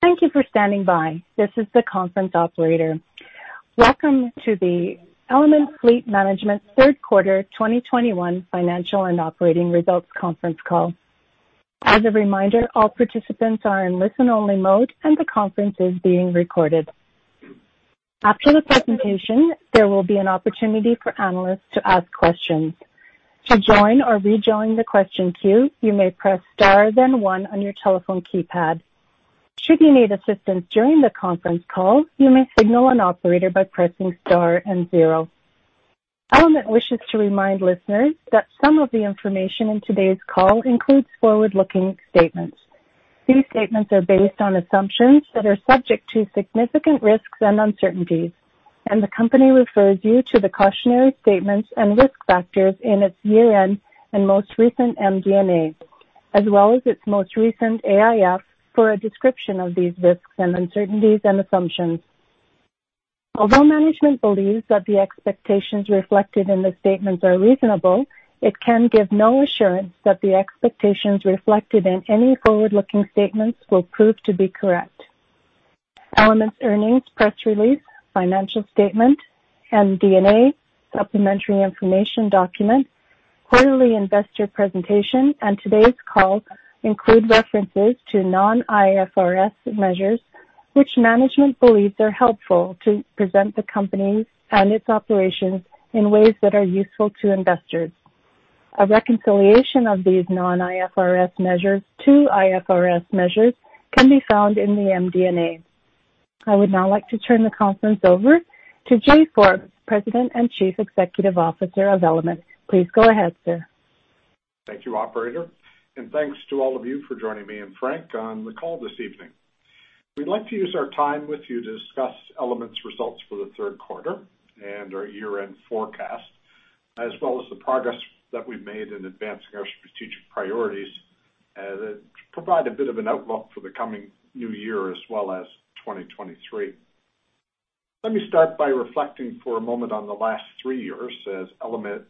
Thank you for standing by. This is the conference operator. Welcome to the Element Fleet Management 3rd quarter 2021 financial and operating results conference call. As a reminder, all participants are in listen-only mode, and the conference is being recorded. After the presentation, there will be an opportunity for analysts to ask questions. To join or rejoin the question queue, you may press star then 1 on your telephone keypad. Should you need assistance during the conference call, you may signal an operator by pressing star and 0. Element wishes to remind listeners that some of the information in today's call includes forward-looking statements. These statements are based on assumptions that are subject to significant risks and uncertainties, and the company refers you to the cautionary statements and risk factors in its year-end and most recent MD&A, as well as its most recent AIF, for a description of these risks and uncertainties and assumptions. Although management believes that the expectations reflected in the statements are reasonable, it can give no assurance that the expectations reflected in any forward-looking statements will prove to be correct. Element's earnings press release, financial statement, MD&A, supplementary information document, quarterly investor presentation, and today's call include references to non-IFRS measures, which management believes are helpful to present the company and its operations in ways that are useful to investors. A reconciliation of these non-IFRS measures to IFRS measures can be found in the MD&A. I would now like to turn the conference over to Jay Forbes, President and Chief Executive Officer of Element. Please go ahead, sir. Thank you, operator, and thanks to all of you for joining me and Frank on the call this evening. We'd like to use our time with you to discuss Element's results for the 3rd quarter and our year-end forecast, as well as the progress that we've made in advancing our strategic priorities, that provide a bit of an outlook for the coming new year as well as 2023. Let me start by reflecting for a moment on the last 3 years as Element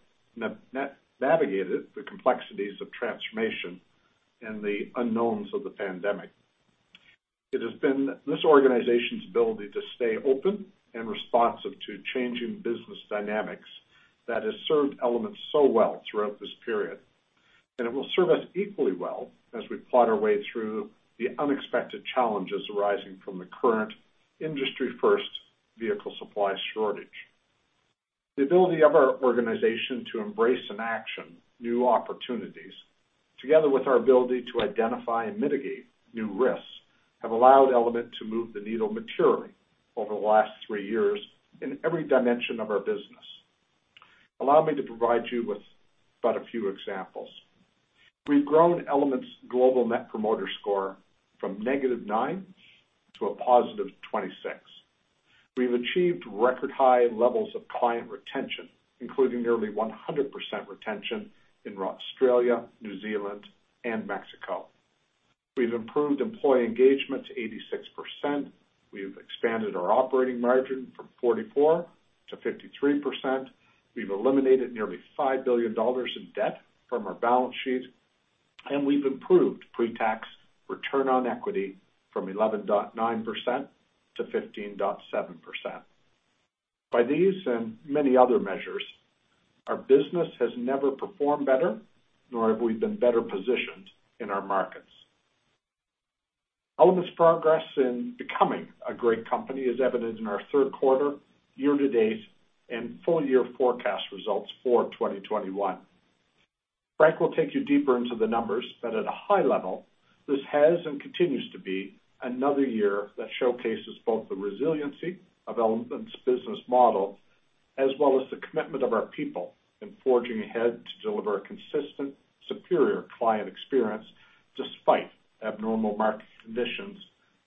navigated the complexities of transformation and the unknowns of the pandemic. It has been this organization's ability to stay open and responsive to changing business dynamics that has served Element so well throughout this period, and it will serve us equally well as we plot our way through the unexpected challenges arising from the current industry first vehicle supply shortage. The ability of our organization to embrace and action new opportunities, together with our ability to identify and mitigate new risks, have allowed Element to move the needle materially over the last 3 years in every dimension of our business. Allow me to provide you with but a few examples. We've grown Element's global net promoter score from -9 to a positive 26. We've achieved record high levels of client retention, including nearly 100% retention in Australia, New Zealand and Mexico. We've improved employee engagement to 86%. We've expanded our operating margin from 44% to 53%. We've eliminated nearly 5 billion dollars in debt from our balance sheet, and we've improved pre-tax return on equity from 11.9% to 15.7%. By these and many other measures, our business has never performed better, nor have we been better positioned in our markets. Element's progress in becoming a great company is evident in our 3rd quarter year to date and full year forecast results for 2021. Frank will take you deeper into the numbers, but at a high level, this has and continues to be another year that showcases both the resiliency of Element's business model as well as the commitment of our people in forging ahead to deliver a consistent, superior client experience despite abnormal market conditions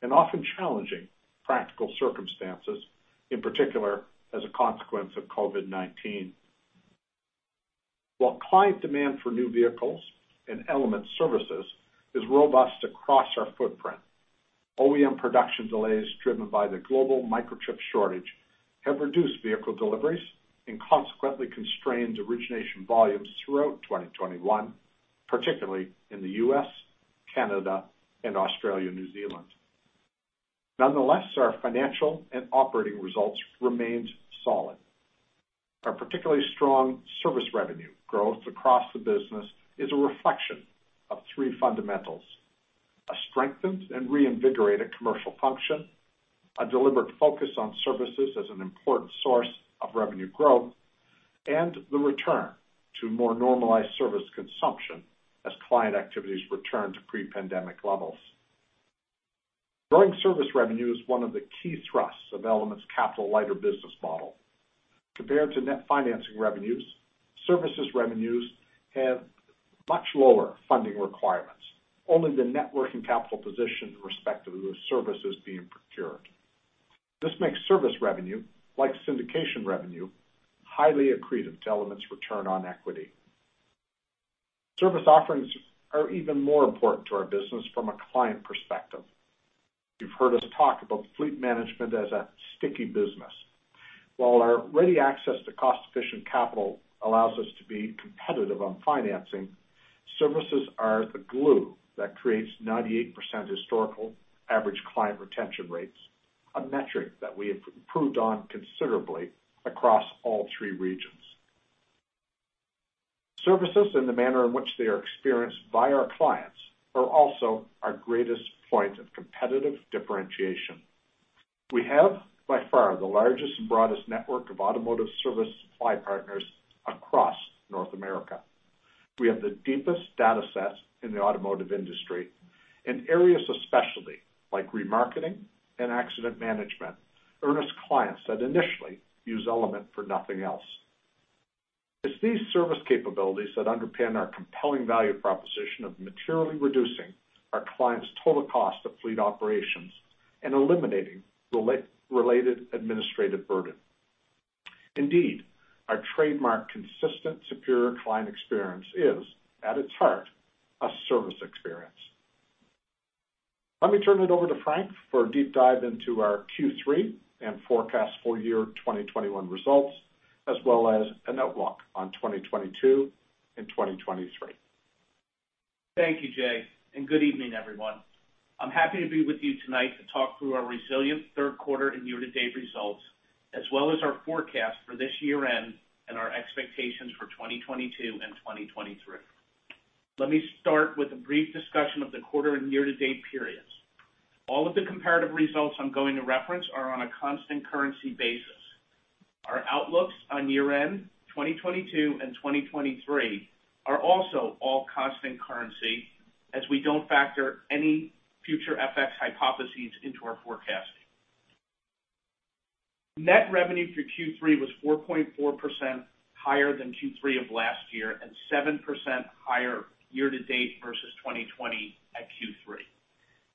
and often challenging practical circumstances, in particular as a consequence of COVID-19. While client demand for new vehicles and Element services is robust across our footprint, OEM production delays driven by the global microchip shortage have reduced vehicle deliveries and consequently constrained origination volumes throughout 2021, particularly in the U.S., Canada and Australia, New Zealand. Nonetheless, our financial and operating results remained solid. Our particularly strong service revenue growth across the business is a reflection of 3 fundamentals. A strengthened and reinvigorated commercial function, a deliberate focus on services as an important source of revenue growth, and the return to more normalized service consumption as client activities return to pre-pandemic levels. Growing service revenue is one of the key thrusts of Element's capital-lighter business model. Compared to net financing revenues, services revenues have much lower funding requirements, only the net working capital position respective of services being procured. This makes service revenue, like syndication revenue, highly accretive to Element's return on equity. Service offerings are even more important to our business from a client perspective. You've heard us talk about fleet management as a sticky business. While our ready access to cost-efficient capital allows us to be competitive on financing, services are the glue that creates 98% historical average client retention rates, a metric that we improved on considerably across all 3 regions. Services in the manner in which they are experienced by our clients are also our greatest point of competitive differentiation. We have, by far, the largest and broadest network of automotive service supply partners across North America. We have the deepest data sets in the automotive industry in areas especially like remarketing and accident management, attracting clients that initially use Element for nothing else. It's these service capabilities that underpin our compelling value proposition of materially reducing our clients' total cost of fleet operations and eliminating lease-related administrative burden. Indeed, our trademark consistent, superior client experience is, at its heart, a service experience. Let me turn it over to Frank for a deep dive into our Q3 and forecast full year 2021 results, as well as an outlook on 2022 and 2023. Thank you, Jay, and good evening, everyone. I'm happy to be with you tonight to talk through our resilient 3rd quarter and year-to-date results, as well as our forecast for this year-end and our expectations for 2022 and 2023. Let me start with a brief discussion of the quarter and year-to-date periods. All of the comparative results I'm going to reference are on a constant currency basis. Our outlooks on year-end 2022 and 2023 are also all constant currency as we don't factor any future FX hypotheses into our forecasting. Net revenue for Q3 was 4.4% higher than Q3 of last year and 7% higher year-to-date versus 2020 at Q3.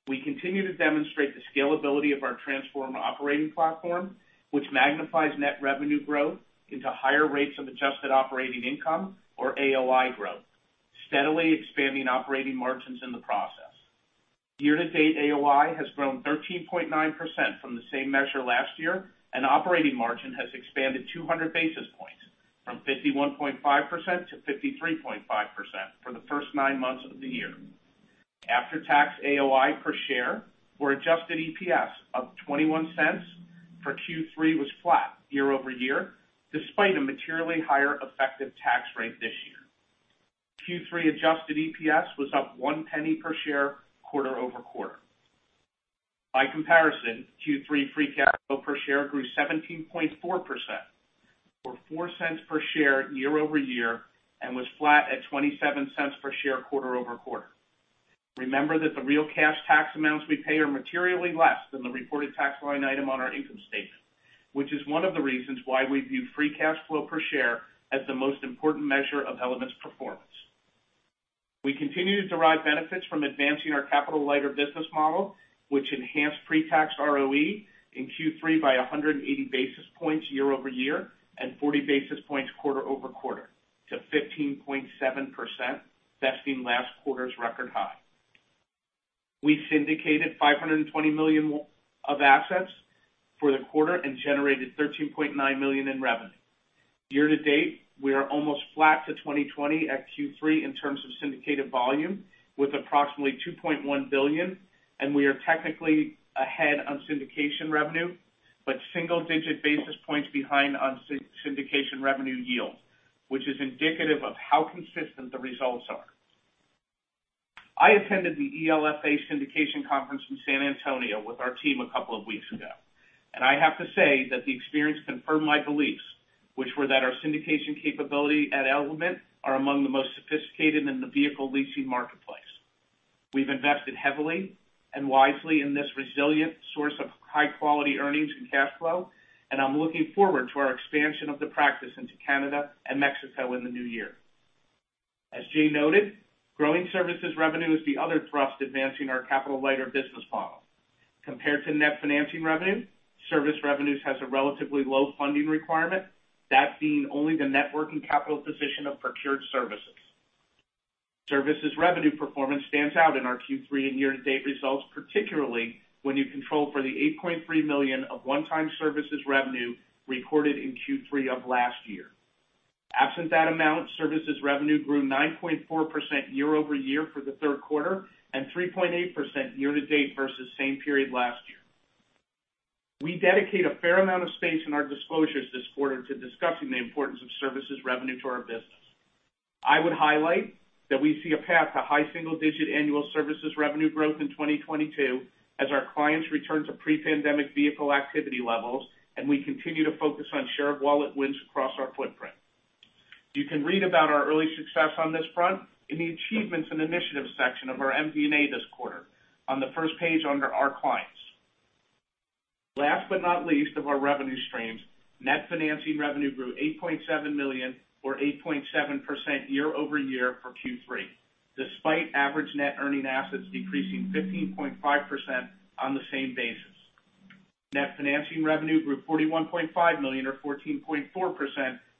We continue to demonstrate the scalability of our transformed operating platform, which magnifies net revenue growth into higher rates of adjusted operating income or AOI growth, steadily expanding operating margins in the process. Year-to-date AOI has grown 13.9% from the same measure last year, and operating margin has expanded 200 basis points from 51.5% to 53.5% for the first 9 months of the year. After-tax AOI per share or adjusted EPS of 0.21 for Q3 was flat year-over-year, despite a materially higher effective tax rate this year. Q3 adjusted EPS was up 0.01 per share quarter-over-quarter. By comparison, Q3 free cash flow per share grew 17.4% or 0.04 per share year-over-year and was flat at 0.27 per share quarter-over-quarter. Remember that the real cash tax amounts we pay are materially less than the reported tax line item on our income statement, which is one of the reasons why we view free cash flow per share as the most important measure of Element's performance. We continue to derive benefits from advancing our capital-lighter business model, which enhanced pre-tax ROE in Q3 by 180 basis points year-over-year and 40 basis points quarter-over-quarter to 15.7%, besting last quarter's record high. We syndicated 520 million of assets for the quarter and generated 13.9 million in revenue. Year to date, we are almost flat to 2020 at Q3 in terms of syndicated volume with approximately $2.1 billion, and we are technically ahead on syndication revenue, but single digit basis points behind on syndication revenue yield, which is indicative of how consistent the results are. I attended the ELFA syndication conference in San Antonio with our team a couple of weeks ago, and I have to say that the experience confirmed my beliefs, which were that our syndication capability at Element are among the most sophisticated in the vehicle leasing marketplace. We've invested heavily and wisely in this resilient source of high-quality earnings and cash flow, and I'm looking forward to our expansion of the practice into Canada and Mexico in the new year. As Jay noted, growing services revenue is the other thrust advancing our capital-lighter business model. Compared to net financing revenue, service revenues has a relatively low funding requirement, that being only the net working capital position of procured services. Services revenue performance stands out in our Q3 and year-to-date results, particularly when you control for the 8.3 million of one-time services revenue recorded in Q3 of last year. Absent that amount, services revenue grew 9.4% year-over-year for the 3rd quarter and 3.8% year-to-date versus same period last year. We dedicate a fair amount of space in our disclosures this quarter to discussing the importance of services revenue to our business. I would highlight that we see a path to high single-digit annual services revenue growth in 2022 as our clients return to pre-pandemic vehicle activity levels, and we continue to focus on share of wallet wins across our footprint. You can read about our early success on this front in the Achievements and Initiatives section of our MD&A this quarter on the first page under Our Clients. Last but not least of our revenue streams, net financing revenue grew 8.7 million or 8.7% year-over-year for Q3, despite average net earning assets decreasing 15.5% on the same basis. Net financing revenue grew 41.5 million or 14.4%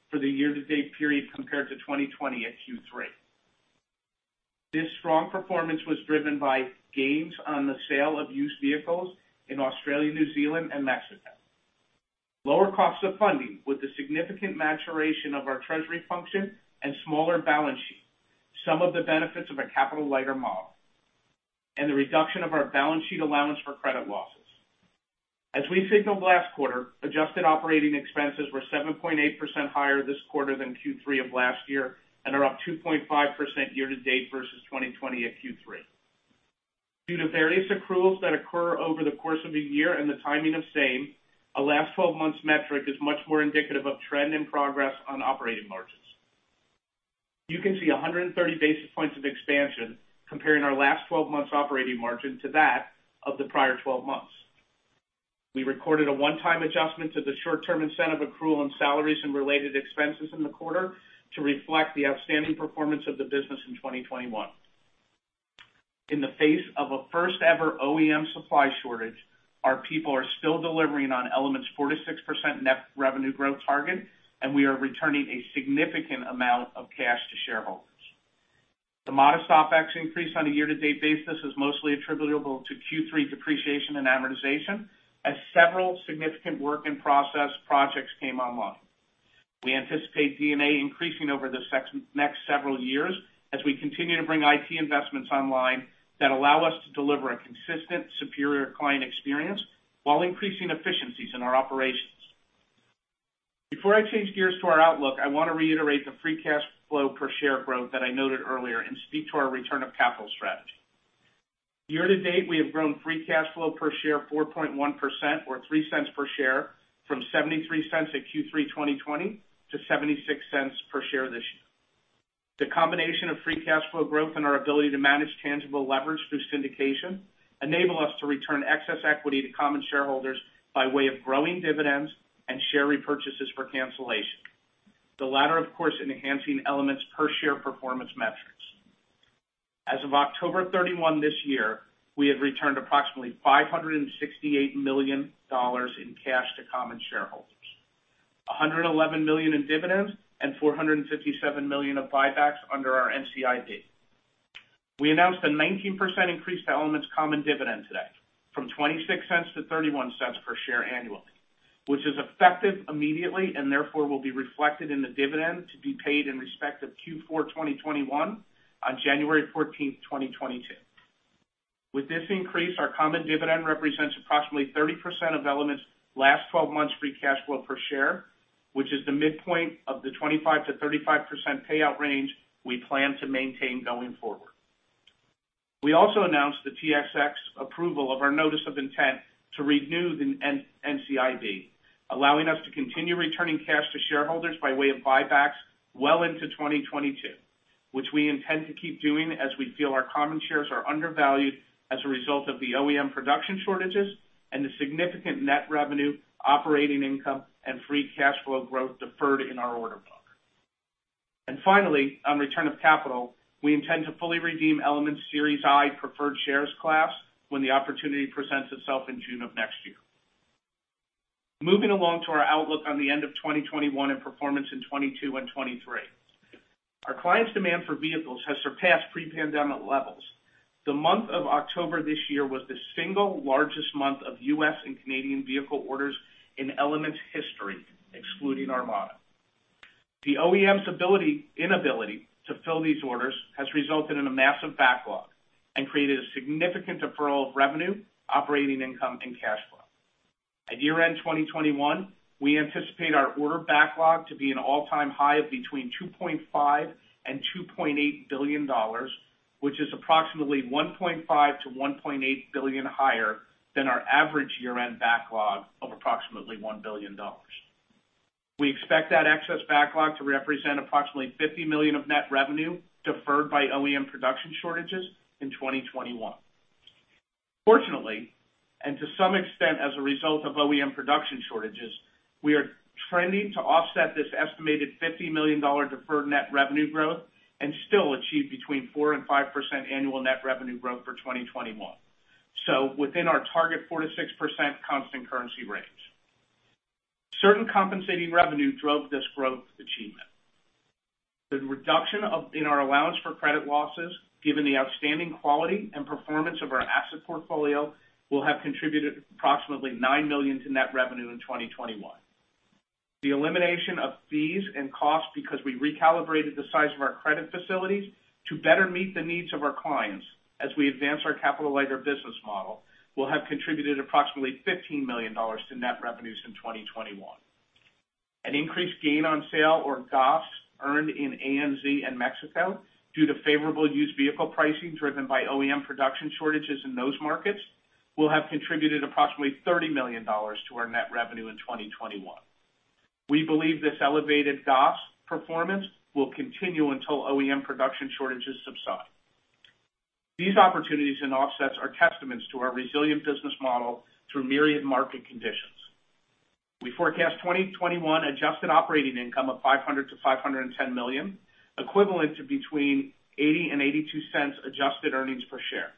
for the year-to-date period compared to 2020 at Q3. This strong performance was driven by gains on the sale of used vehicles in Australia, New Zealand and Mexico, lower cost of funding with the significant maturation of our treasury function and smaller balance sheet, some of the benefits of a capital-lighter model, and the reduction of our balance sheet allowance for credit losses. As we signaled last quarter, adjusted operating expenses were 7.8% higher this quarter than Q3 of last year and are up 2.5% year-to-date versus 2020 at Q3. Due to various accruals that occur over the course of a year and the timing of same, our last 12 months metric is much more indicative of trend and progress on operating margins. You can see 130 basis points of expansion comparing our last 12 months operating margin to that of the prior 12 months. We recorded a one-time adjustment to the short-term incentive accrual on salaries and related expenses in the quarter to reflect the outstanding performance of the business in 2021. In the face of a first-ever OEM supply shortage, our people are still delivering on Element's 4%-6% net revenue growth target, and we are returning a significant amount of cash to shareholders. The modest OpEx increase on a year-to-date basis is mostly attributable to Q3 depreciation and amortization as several significant work in process projects came online. We anticipate D&A increasing over the next several years as we continue to bring IT investments online that allow us to deliver a consistent, superior client experience while increasing efficiencies in our operations. Before I change gears to our outlook, I wanna reiterate the free cash flow per share growth that I noted earlier and speak to our return of capital strategy. Year-to-date, we have grown free cash flow per share 4.1% or $0.03 per share from $0.73 at Q3 2020 to $0.76 per share this year. The combination of free cash flow growth and our ability to manage tangible leverage through syndication enable us to return excess equity to common shareholders by way of growing dividends and share repurchases for cancellation. The latter, of course, enhancing Element's per-share performance metrics. As of October 31 this year, we have returned approximately $568 million in cash to common shareholders, $111 million in dividends, and $457 million of buybacks under our NCIB. We announced a 19% increase to Element's common dividend today from 0.26 to 0.31 per share annually, which is effective immediately and therefore will be reflected in the dividend to be paid in respect of Q4 2021 on January 14, 2022. With this increase, our common dividend represents approximately 30% of Element's last 12 months free cash flow per share, which is the midpoint of the 25%-35% payout range we plan to maintain going forward. We also announced the TSX approval of our notice of intent to renew the NCIB, allowing us to continue returning cash to shareholders by way of buybacks well into 2022, which we intend to keep doing as we feel our common shares are undervalued as a result of the OEM production shortages and the significant net revenue, operating income, and free cash flow growth deferred in our order book. Finally, on return of capital, we intend to fully redeem Element's Series I preferred shares class when the opportunity presents itself in June of next year. Moving along to our outlook on the end of 2021 and performance in 2022 and 2023. Our clients' demand for vehicles has surpassed pre-pandemic levels. The month of October this year was the single largest month of U.S. and Canadian vehicle orders in Element's history, excluding Armada. The OEM's inability to fill these orders has resulted in a massive backlog and created a significant deferral of revenue, operating income, and cash flow. At year-end 2021, we anticipate our order backlog to be an all-time high of between $2.5 billion and $2.8 billion, which is approximately $1.5 billion-$1.8 billion higher than our average year-end backlog of approximately $1 billion. We expect that excess backlog to represent approximately $50 million of net revenue deferred by OEM production shortages in 2021. Fortunately, and to some extent as a result of OEM production shortages, we are trending to offset this estimated $50 million dollar deferred net revenue growth and still achieve between 4% and 5% annual net revenue growth for 2021, so within our target 4%-6% constant currency range. Certain compensating revenue drove this growth achievement. The reduction in our allowance for credit losses, given the outstanding quality and performance of our asset portfolio, will have contributed approximately 9 million to net revenue in 2021. The elimination of fees and costs because we recalibrated the size of our credit facilities to better meet the needs of our clients as we advance our capital-lighter business model will have contributed approximately 15 million dollars to net revenues in 2021. An increased gain on sale or GOS earned in ANZ and Mexico due to favorable used vehicle pricing driven by OEM production shortages in those markets will have contributed approximately 30 million dollars to our net revenue in 2021. We believe this elevated GOS performance will continue until OEM production shortages subside. These opportunities and offsets are testaments to our resilient business model through myriad market conditions. We forecast 2021 adjusted operating income of $500 million-$510 million, equivalent to between $0.80 and $0.82 adjusted earnings per share.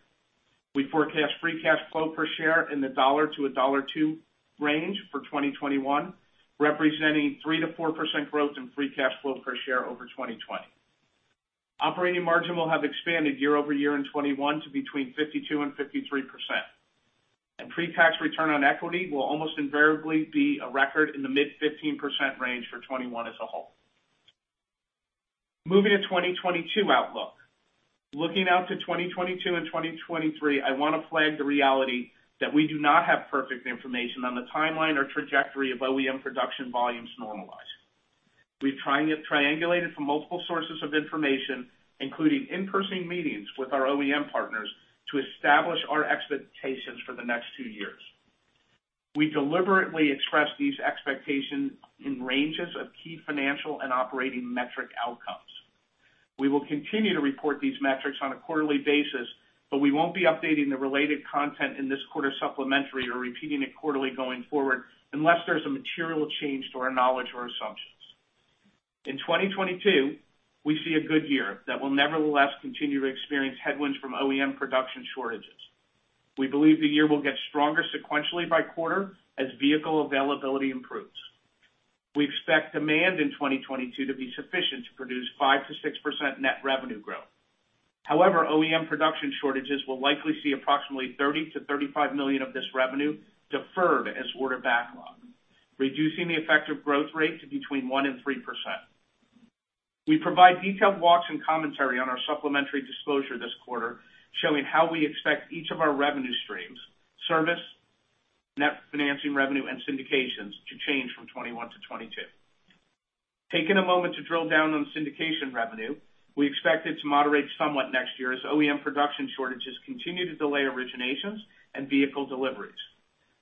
We forecast free cash flow per share in the $1-$1.02 range for 2021, representing 3%-4% growth in free cash flow per share over 2020. Operating margin will have expanded year-over-year in 2021 to between 52% and 53%. Pre-tax return on equity will almost invariably be a record in the mid-15% range for 2021 as a whole. Moving to 2022 outlook. Looking out to 2022 and 2023, I want to flag the reality that we do not have perfect information on the timeline or trajectory of OEM production volumes normalizing. We've triangulated from multiple sources of information, including in-person meetings with our OEM partners, to establish our expectations for the next 2 years. We deliberately express these expectations in ranges of key financial and operating metric outcomes. We will continue to report these metrics on a quarterly basis, but we won't be updating the related content in this quarterly supplementary or repeating it quarterly going forward unless there's a material change to our knowledge or assumptions. In 2022, we see a good year that will nevertheless continue to experience headwinds from OEM production shortages. We believe the year will get stronger sequentially by quarter as vehicle availability improves. We expect demand in 2022 to be sufficient to produce 5%-6% net revenue growth. However, OEM production shortages will likely see approximately 30 million-35 million of this revenue deferred as order backlog, reducing the effective growth rate to between 1% and 3%. We provide detailed walks and commentary on our supplementary disclosure this quarter, showing how we expect each of our revenue streams, service, net financing revenue, and syndications to change from 2021 to 2022. Taking a moment to drill down on syndication revenue, we expect it to moderate somewhat next year as OEM production shortages continue to delay originations and vehicle deliveries.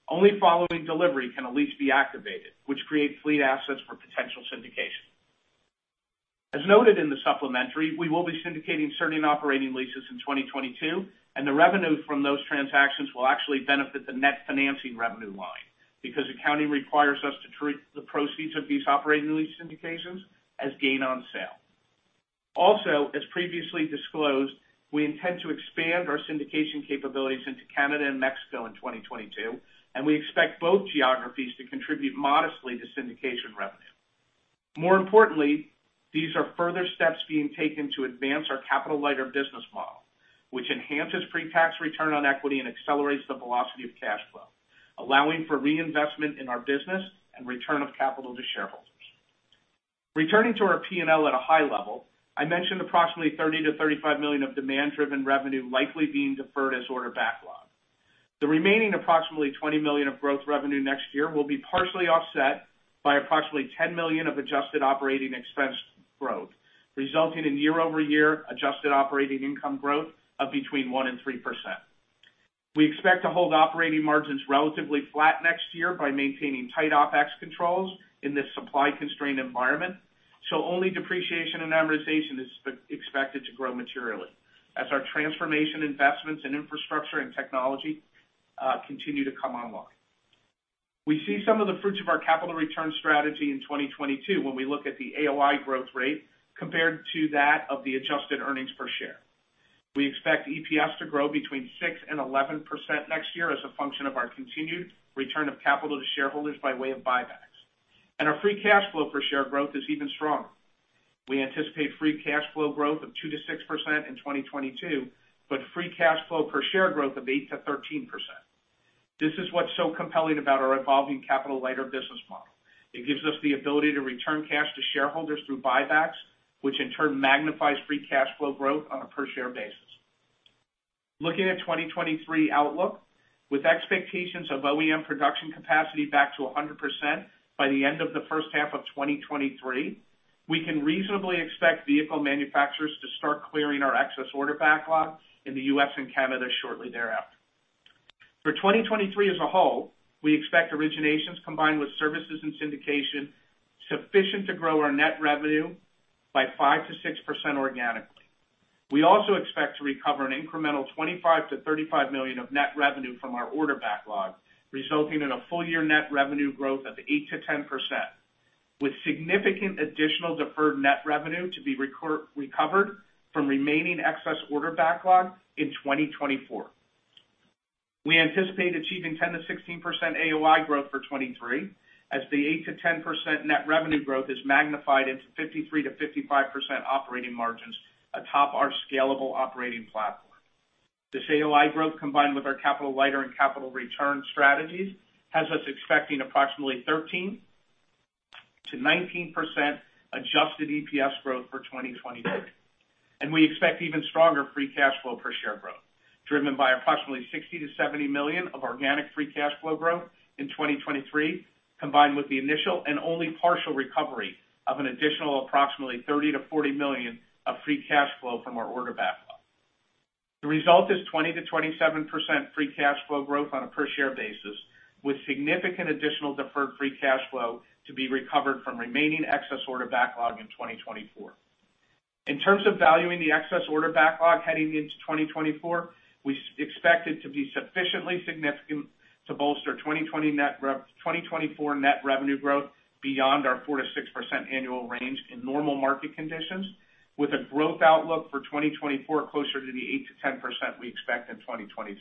Only following delivery can a lease be activated, which creates fleet assets for potential syndication. As noted in the supplementary, we will be syndicating certain operating leases in 2022, and the revenue from those transactions will actually benefit the net financing revenue line because accounting requires us to treat the proceeds of these operating lease syndications as gain on sale. Also, as previously disclosed, we intend to expand our syndication capabilities into Canada and Mexico in 2022, and we expect both geographies to contribute modestly to syndication revenue. More importantly, these are further steps being taken to advance our capital-lighter business model, which enhances pre-tax return on equity and accelerates the velocity of cash flow, allowing for reinvestment in our business and return of capital to shareholders. Returning to our P&L at a high level, I mentioned approximately 30 million-35 million of demand-driven revenue likely being deferred as order backlog. The remaining approximately 20 million of growth revenue next year will be partially offset by approximately 10 million of adjusted operating expense growth, resulting in year-over-year adjusted operating income growth of between 1% and 3%. We expect to hold operating margins relatively flat next year by maintaining tight OpEx controls in this supply-constrained environment. Only depreciation and amortization is expected to grow materially as our transformation investments in infrastructure and technology continue to come online. We see some of the fruits of our capital return strategy in 2022 when we look at the AOI growth rate compared to that of the adjusted earnings per share. We expect EPS to grow between 6% and 11% next year as a function of our continued return of capital to shareholders by way of buybacks. Our free cash flow per share growth is even stronger. We anticipate free cash flow growth of 2%-6% in 2022, but free cash flow per share growth of 8%-13%. This is what's so compelling about our evolving capital-lighter business model. It gives us the ability to return cash to shareholders through buybacks, which in turn magnifies free cash flow growth on a per share basis. Looking at 2023 outlook, with expectations of OEM production capacity back to 100% by the end of the first half of 2023, we can reasonably expect vehicle manufacturers to start clearing our excess order backlog in the U.S. and Canada shortly thereafter. For 2023 as a whole, we expect originations combined with services and syndication sufficient to grow our net revenue by 5%-6% organically. We also expect to recover an incremental 25 million-35 million of net revenue from our order backlog, resulting in a full-year net revenue growth of 8%-10%, with significant additional deferred net revenue to be recovered from remaining excess order backlog in 2024. We anticipate achieving 10%-16% AOI growth for 2023, as the 8%-10% net revenue growth is magnified into 53%-55% operating margins atop our scalable operating platform. This AOI growth, combined with our capital-lighter and capital return strategies, has us expecting approximately 13%-19% adjusted EPS growth for 2023. We expect even stronger free cash flow per share growth, driven by approximately 60 million-70 million of organic free cash flow growth in 2023, combined with the initial and only partial recovery of an additional approximately 30 million-40 million of free cash flow from our order backlog. The result is 20%-27% free cash flow growth on a per share basis, with significant additional deferred free cash flow to be recovered from remaining excess order backlog in 2024. In terms of valuing the excess order backlog heading into 2024, we expect it to be sufficiently significant to bolster 2024 net revenue growth beyond our 4%-6% annual range in normal market conditions, with a growth outlook for 2024 closer to the 8%-10% we expect in 2023.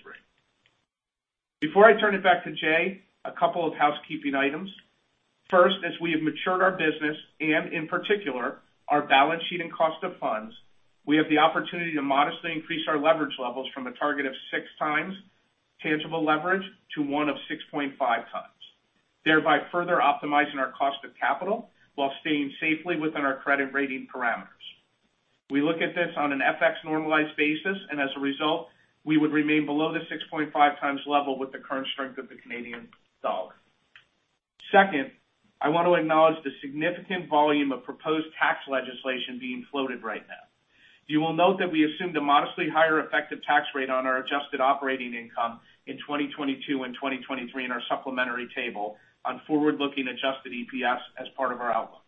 Before I turn it back to Jay, a couple of housekeeping items. First, as we have matured our business and in particular our balance sheet and cost of funds, we have the opportunity to modestly increase our leverage levels from a target of 6x tangible leverage to one of 6.5x, thereby further optimizing our cost of capital while staying safely within our credit rating parameters. We look at this on an FX normalized basis, and as a result, we would remain below the 6.5x level with the current strength of the Canadian dollar. Second, I want to acknowledge the significant volume of proposed tax legislation being floated right now. You will note that we assumed a modestly higher effective tax rate on our adjusted operating income in 2022 and 2023 in our supplementary table on forward-looking adjusted EPS as part of our outlook.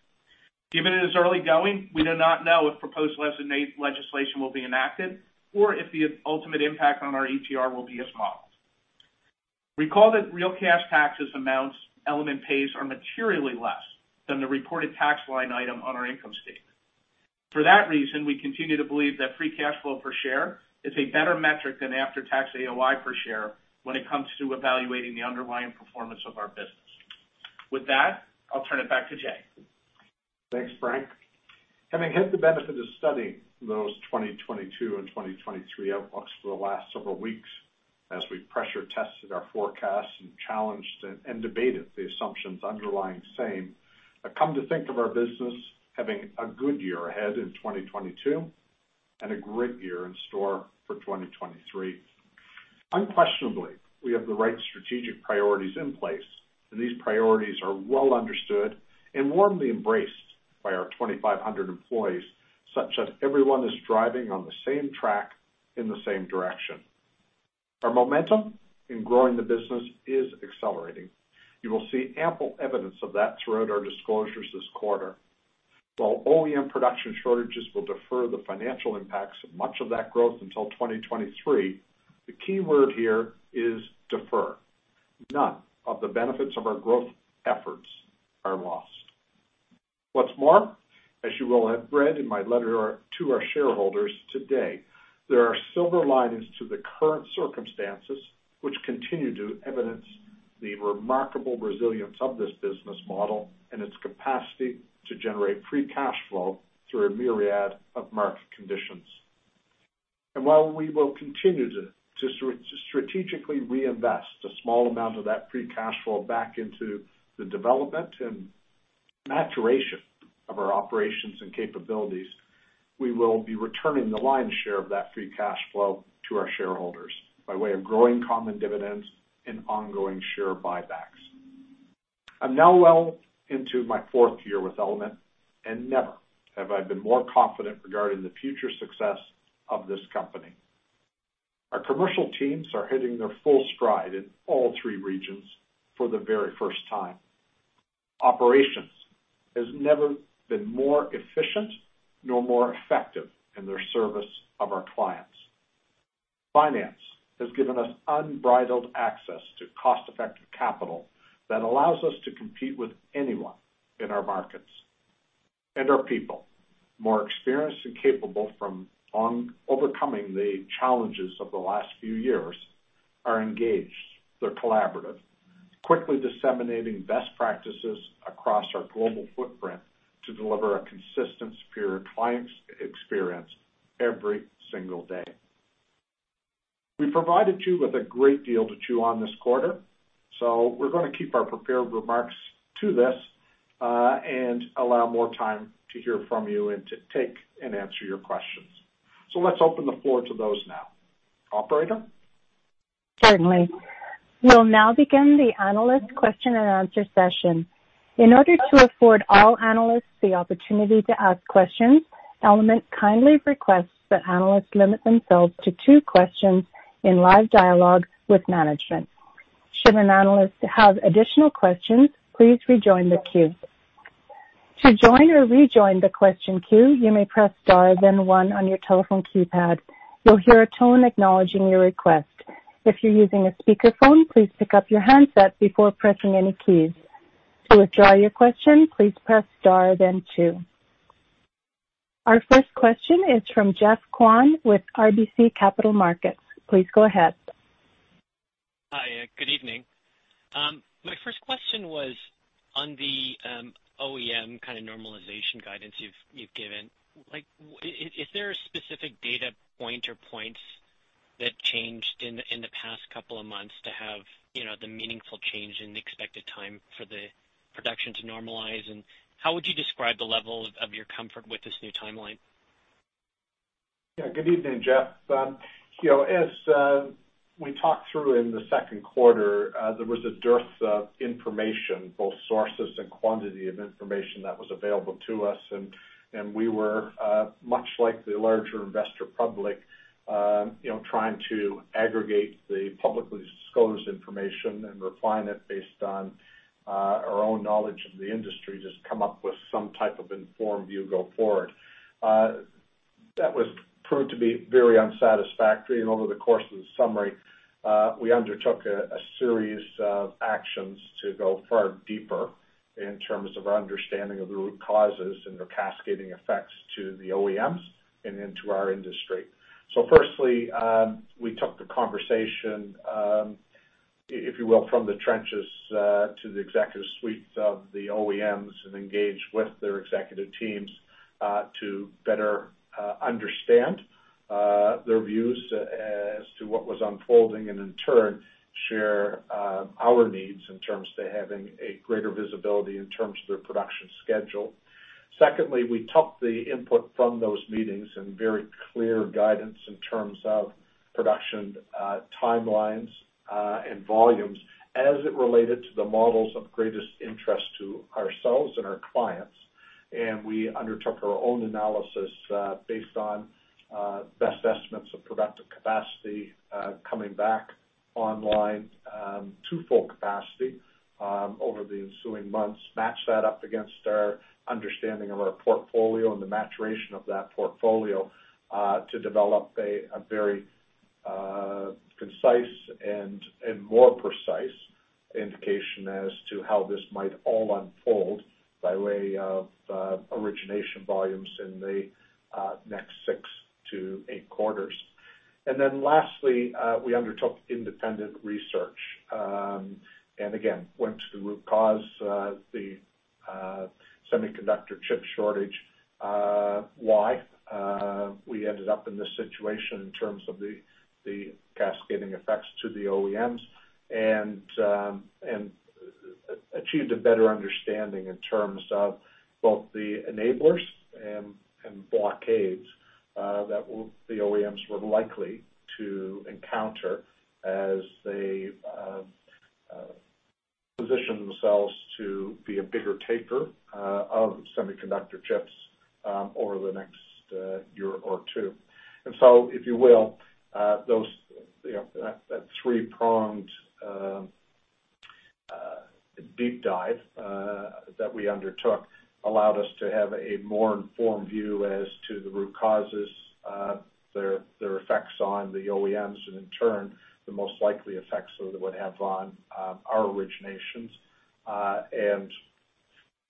Given it is early going, we do not know if proposed legislation will be enacted or if the ultimate impact on our ETR will be as modeled. Recall that real cash taxes amounts Element pays are materially less than the reported tax line item on our income statement. For that reason, we continue to believe that free cash flow per share is a better metric than after-tax AOI per share when it comes to evaluating the underlying performance of our business. With that, I'll turn it back to Jay. Thanks, Frank. Having had the benefit of studying those 2022 and 2023 outlooks for the last several weeks as we pressure tested our forecasts and challenged and debated the assumptions underlying same, I come to think of our business having a good year ahead in 2022 and a great year in store for 2023. Unquestionably, we have the right strategic priorities in place, and these priorities are well understood and warmly embraced by our 2,500 employees, such that everyone is driving on the same track in the same direction. Our momentum in growing the business is accelerating. You will see ample evidence of that throughout our disclosures this quarter. While OEM production shortages will defer the financial impacts of much of that growth until 2023, the key word here is defer. None of the benefits of our growth efforts are lost. What's more, as you will have read in my letter to our shareholders today, there are silver linings to the current circumstances which continue to evidence the remarkable resilience of this business model and its capacity to generate free cash flow through a myriad of market conditions. While we will continue to strategically reinvest a small amount of that free cash flow back into the development and maturation of our operations and capabilities, we will be returning the lion's share of that free cash flow to our shareholders by way of growing common dividends and ongoing share buybacks. I'm now well into my 4th year with Element, and never have I been more confident regarding the future success of this company. Our commercial teams are hitting their full stride in all 3 regions for the very first time. Operations has never been more efficient nor more effective in their service of our clients. Finance has given us unbridled access to cost-effective capital that allows us to compete with anyone in our markets. Our people, more experienced and capable from overcoming the challenges of the last few years, are engaged, they're collaborative, quickly disseminating best practices across our global footprint to deliver a consistent, superior client experience every single day. We provided you with a great deal to chew on this quarter, so we're gonna keep our prepared remarks to this, and allow more time to hear from you and to take and answer your questions. Let's open the floor to those now. Operator? Certainly. We'll now begin the analyst question and answer session. In order to afford all analysts the opportunity to ask questions, Element kindly requests that analysts limit themselves to 2 questions in live dialogue with management. Should an analyst have additional questions, please rejoin the queue. To join or rejoin the question queue, you may press star then 1 on your telephone keypad. You'll hear a tone acknowledging your request. If you're using a speakerphone, please pick up your handset before pressing any keys. To withdraw your question, please press star then 2. Our first question is from Geoffrey Kwan with RBC Capital Markets. Please go ahead. Hi. Good evening. My first question was on the OEM kind of normalization guidance you've given. Like is there a specific data point or points that changed in the past couple of months to have, you know, the meaningful change in the expected time for the production to normalize? And how would you describe the level of your comfort with this new timeline? Yeah. Good evening, Jeff. You know, as we talked through in the 2nd quarter, there was a dearth of information, both sources and quantity of information that was available to us. We were much like the larger investor public, you know, trying to aggregate the publicly disclosed information and refine it based on our own knowledge of the industry to come up with some type of informed view going forward. That proved to be very unsatisfactory, and over the course of the summer, we undertook a series of actions to go far deeper in terms of our understanding of the root causes and their cascading effects to the OEMs and into our industry. Firstly, we took the conversation, if you will, from the trenches to the executive suites of the OEMs and engaged with their executive teams to better understand their views as to what was unfolding, and in turn share our needs in terms to having a greater visibility in terms of their production schedule. Secondly, we took the input from those meetings and very clear guidance in terms of production timelines and volumes as it related to the models of greatest interest to ourselves and our clients. We undertook our own analysis based on best estimates of productive capacity coming back online to full capacity over the ensuing months, matched that up against our understanding of our portfolio and the maturation of that portfolio to develop a very concise and more precise indication as to how this might all unfold by way of origination volumes in the next 6-8 quarters. Lastly, we undertook independent research and again went to the root cause, the semiconductor chip shortage, why we ended up in this situation in terms of the cascading effects to the OEMs, and achieved a better understanding in terms of both the enablers and blockades that will. The OEMs were likely to encounter as they position themselves to be a bigger taker of semiconductor chips over the next year or two. If you will, those, you know, that 3 pronged deep dive that we undertook allowed us to have a more informed view as to the root causes, their effects on the OEMs, and in turn, the most likely effects that it would have on our originations.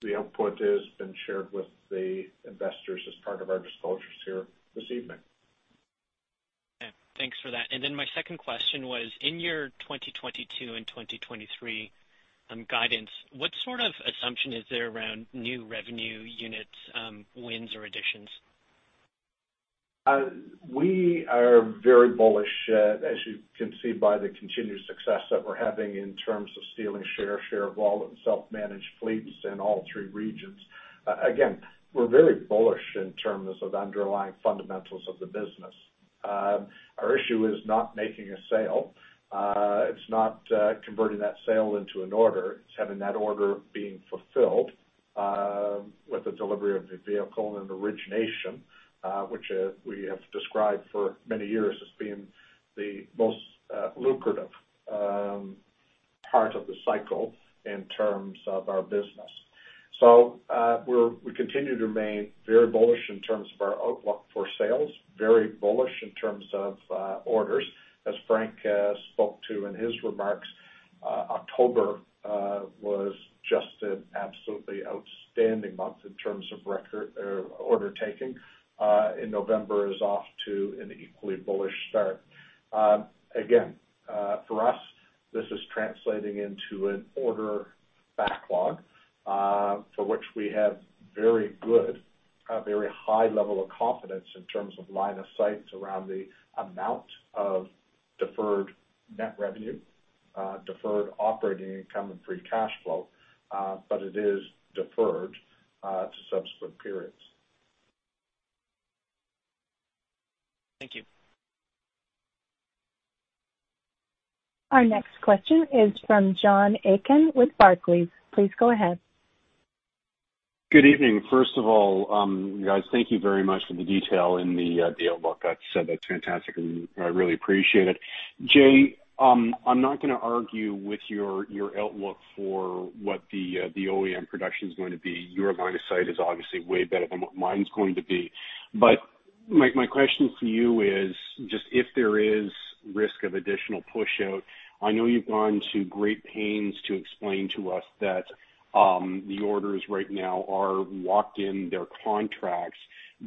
The output has been shared with the investors as part of our disclosures here this evening. Okay. Thanks for that. My second question was, in your 2022 and 2023 guidance, what sort of assumption is there around new revenue units, wins or additions? We are very bullish, as you can see by the continued success that we're having in terms of stealing share of wallet and self-managed fleets in all 3 regions. Again, we're very bullish in terms of underlying fundamentals of the business. Our issue is not making a sale. It's not converting that sale into an order. It's having that order being fulfilled with the delivery of the vehicle and origination, which we have described for many years as being the most lucrative part of the cycle in terms of our business. We continue to remain very bullish in terms of our outlook for sales, very bullish in terms of orders. As Frank spoke to in his remarks, October was just an absolutely outstanding month in terms of record order taking. November is off to an equally bullish start. Again, for us, this is translating into an order backlog for which we have a very high level of confidence in terms of line of sight around the amount of deferred net revenue, deferred operating income and free cash flow, but it is deferred to subsequent periods. Thank you. Our next question is from John Aiken with Barclays. Please go ahead. Good evening. First of all, you guys, thank you very much for the detail in the outlook. That's fantastic, and I really appreciate it. Jay, I'm not gonna argue with your outlook for what the OEM production's going to be. Your line of sight is obviously way better than what mine's going to be. My question to you is, just if there is risk of additional pushout, I know you've gone to great pains to explain to us that the orders right now are locked in, they're contracts.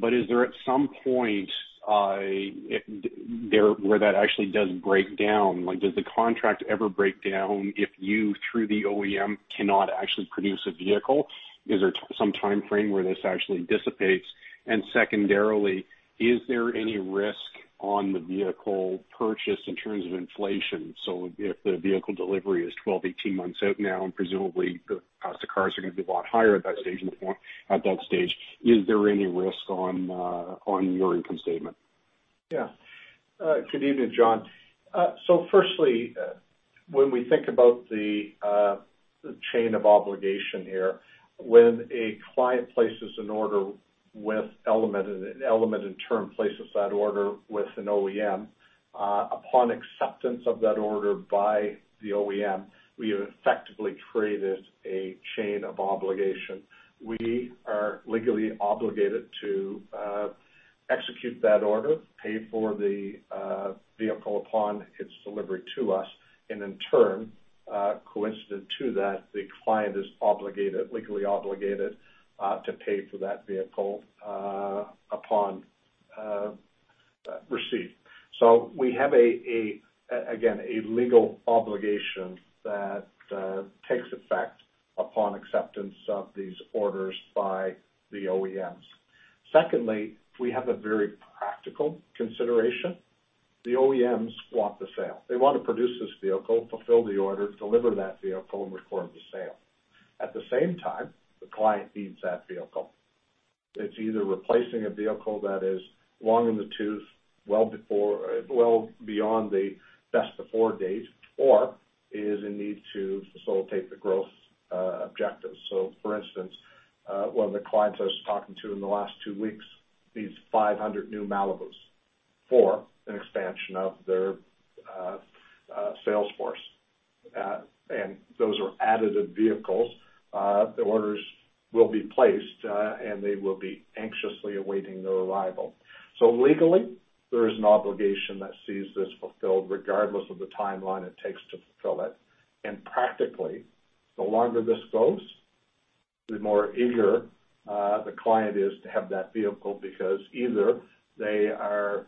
Is there at some point there where that actually does break down? Like, does the contract ever break down if you, through the OEM, cannot actually produce a vehicle? Is there some timeframe where this actually dissipates? Secondarily, is there any risk on the vehicle purchase in terms of inflation? If the vehicle delivery is 12, 18 months out now, and presumably the cost of cars are gonna be a lot higher at that stage than at that point, is there any risk on your income statement? Yeah. Good evening, John. Firstly, when we think about the chain of obligation here, when a client places an order with Element, and Element in turn places that order with an OEM, upon acceptance of that order by the OEM, we have effectively created a chain of obligation. We are legally obligated to execute that order, pay for the vehicle upon its delivery to us. In turn, coincident to that, the client is obligated, legally obligated, to pay for that vehicle upon receipt. We have, again, a legal obligation that takes effect upon acceptance of these orders by the OEMs. Secondly, we have a very practical consideration. The OEMs want the sale. They want to produce this vehicle, fulfill the order, deliver that vehicle, and record the sale. At the same time, the client needs that vehicle. It's either replacing a vehicle that is long in the tooth, well beyond the best before date, or is in need to facilitate the growth objective. For instance, one of the clients I was talking to in the last 2 weeks needs 500 new Malibus for an expansion of their sales force. Those are additive vehicles. The orders will be placed, and they will be anxiously awaiting their arrival. Legally, there is an obligation that sees this fulfilled regardless of the timeline it takes to fulfill it. Practically, the longer this goes, the more eager the client is to have that vehicle because either they are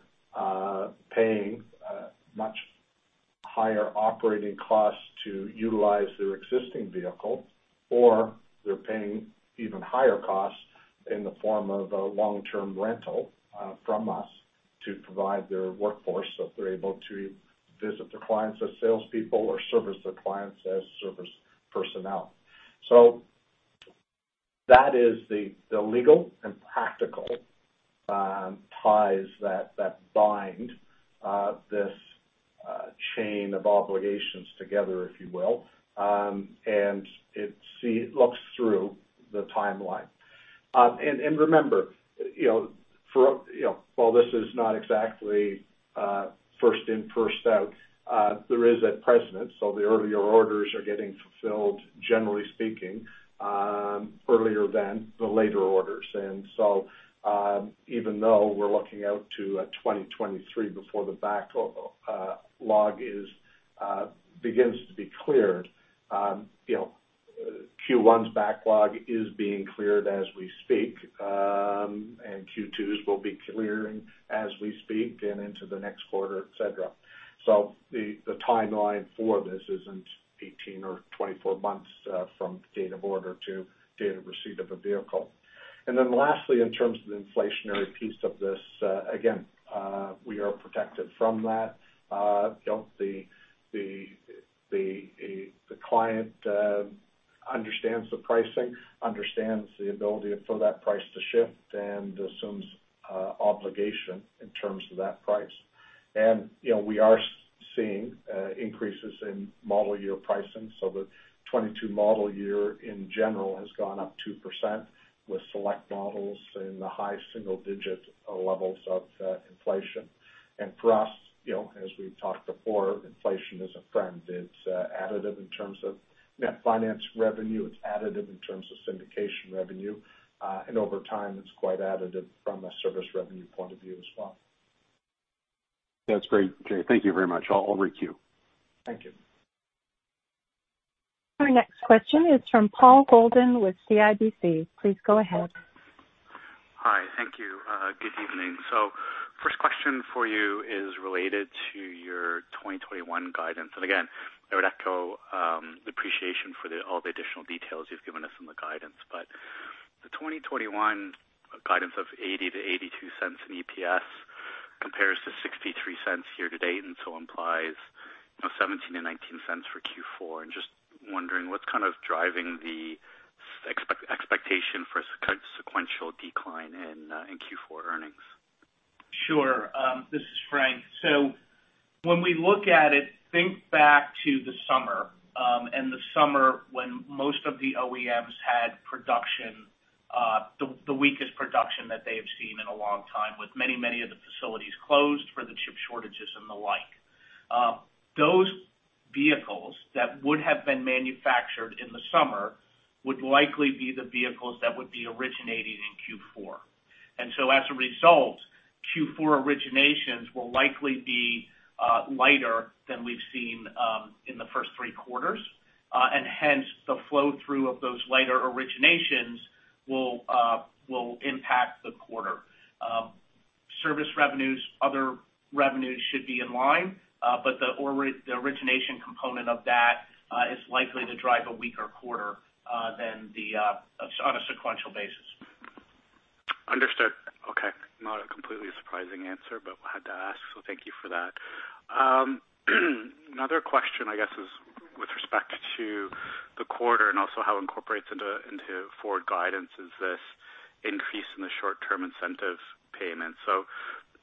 paying a much higher operating cost to utilize their existing vehicle, or they're paying even higher costs in the form of a long-term rental from us to provide their workforce, so if they're able to visit their clients as salespeople or service their clients as service personnel. That is the legal and practical ties that bind this chain of obligations together, if you will. It looks through the timeline. Remember, you know, while this is not exactly first in, first out, there is that precedent, so the earlier orders are getting fulfilled, generally speaking, earlier than the later orders. Even though we're looking out to 2023 before the backlog begins to be cleared, you know, Q1's backlog is being cleared as we speak, and Q2's will be clearing as we speak and into the next quarter, et cetera. The timeline for this isn't 18 or 24 months from date of order to date of receipt of a vehicle. Then lastly, in terms of the inflationary piece of this, again, we are protected from that. You know, the client understands the pricing, understands the ability for that price to shift and assumes obligation in terms of that price. You know, we are seeing increases in model year pricing. The 2022 model year in general has gone up 2% with select models in the high single digit levels of inflation. For us, you know, as we've talked before, inflation is a friend. It's additive in terms of net finance revenue. It's additive in terms of syndication revenue. Over time, it's quite additive from a service revenue point of view as well. That's great, Jay. Thank you very much. I'll requeue. Thank you. Our next question is from Paul Holden with CIBC. Please go ahead. Hi. Thank you. Good evening. First question for you is related to your 2021 guidance. Again, I would echo the appreciation for all the additional details you've given us on the guidance. The 2021 guidance of $0.80-$0.82 in EPS compares to $0.63 here to date, and so implies, you know, $0.17-$0.19 for Q4. I'm just wondering what's kind of driving the expectation for a kind of sequential decline in Q4 earnings? Sure. This is Frank. When we look at it, think back to the summer, and the summer when most of the OEMs had production, the weakest production that they have seen in a long time with many of the facilities closed for the chip shortages and the like. Those vehicles that would have been manufactured in the summer would likely be the vehicles that would be originating in Q4. As a result, Q4 originations will likely be lighter than we've seen in the first 3 quarters. Hence, the flow through of those lighter originations will impact the quarter. Service revenues, other revenues should be in line, but the origination component of that is likely to drive a weaker quarter than on a sequential basis. Understood. Okay. Not a completely surprising answer, but I had to ask, so thank you for that. Another question, I guess, is the quarter and also how it incorporates into forward guidance is this increase in the short-term incentive payments.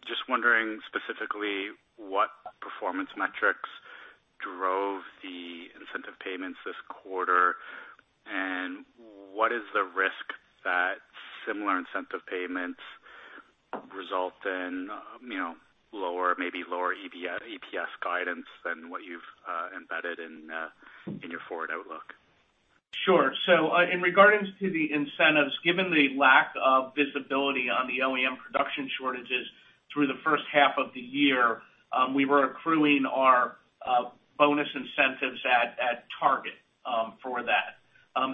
Just wondering specifically what performance metrics drove the incentive payments this quarter and what is the risk that similar incentive payments result in, you know, lower, maybe lower EPS guidance than what you've embedded in your forward outlook? Sure. In regards to the incentives, given the lack of visibility on the OEM production shortages through the first half of the year, we were accruing our bonus incentives at target for that.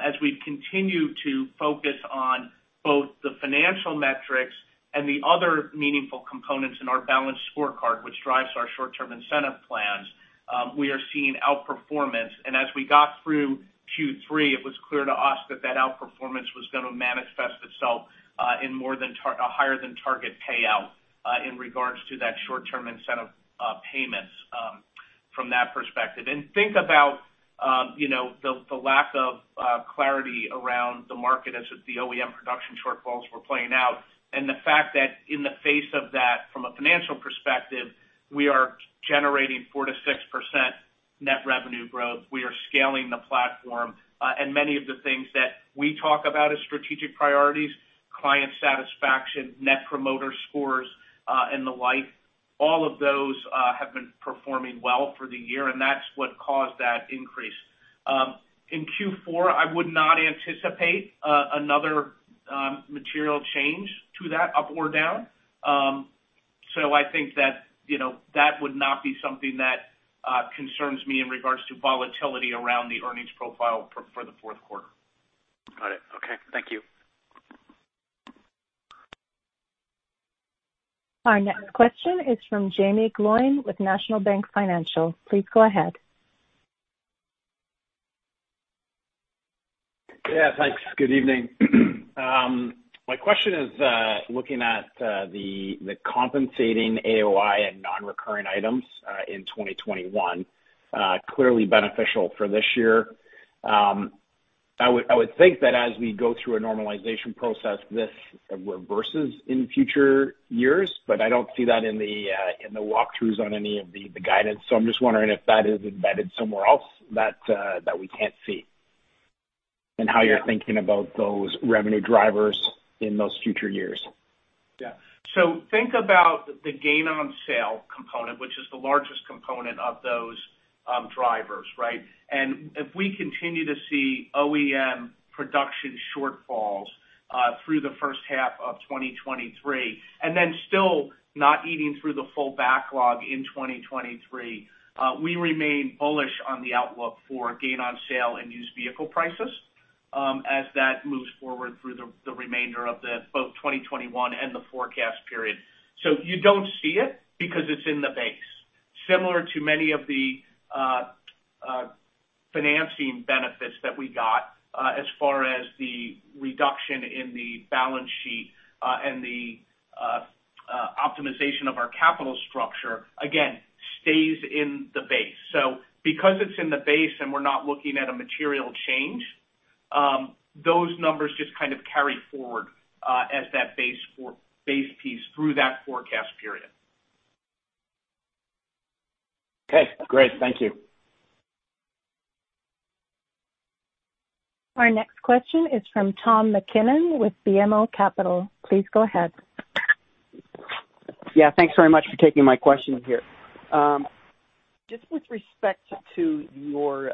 As we continue to focus on both the financial metrics and the other meaningful components in our balanced scorecard, which drives our short-term incentive plans, we are seeing outperformance. As we got through Q3, it was clear to us that outperformance was gonna manifest itself in higher than target payout in regards to that short-term incentive payments from that perspective. Think about, you know, the lack of clarity around the market as the OEM production shortfalls were playing out, and the fact that in the face of that, from a financial perspective, we are generating 4%-6% net revenue growth. We are scaling the platform, and many of the things that we talk about as strategic priorities, client satisfaction, net promoter scores, and the like, all of those have been performing well for the year, and that's what caused that increase. In Q4, I would not anticipate another material change to that up or down. I think that, you know, that would not be something that concerns me in regards to volatility around the earnings profile for the 4th quarter. Got it. Okay. Thank you. Our next question is from Jaeme Gloyn with National Bank Financial. Please go ahead. Yeah, thanks. Good evening. My question is, looking at the compensating AOI and non-recurring items in 2021, clearly beneficial for this year. I would think that as we go through a normalization process, this reverses in future years, but I don't see that in the walk-throughs on any of the guidance. I'm just wondering if that is embedded somewhere else that we can't see, and how you're thinking about those revenue drivers in those future years. Yeah. Think about the gain on sale component, which is the largest component of those drivers, right? If we continue to see OEM production shortfalls through the first half of 2023, and then still not eating through the full backlog in 2023, we remain bullish on the outlook for gain on sale and used vehicle prices, as that moves forward through the remainder of both 2021 and the forecast period. You don't see it because it's in the base. Similar to many of the financing benefits that we got, as far as the reduction in the balance sheet, and the optimization of our capital structure, again, stays in the base. Because it's in the base and we're not looking at a material change, those numbers just kind of carry forward, as that base piece through that forecast period. Okay, great. Thank you. Our next question is from Tom MacKinnon with BMO Capital. Please go ahead. Yeah, thanks very much for taking my question here. Just with respect to your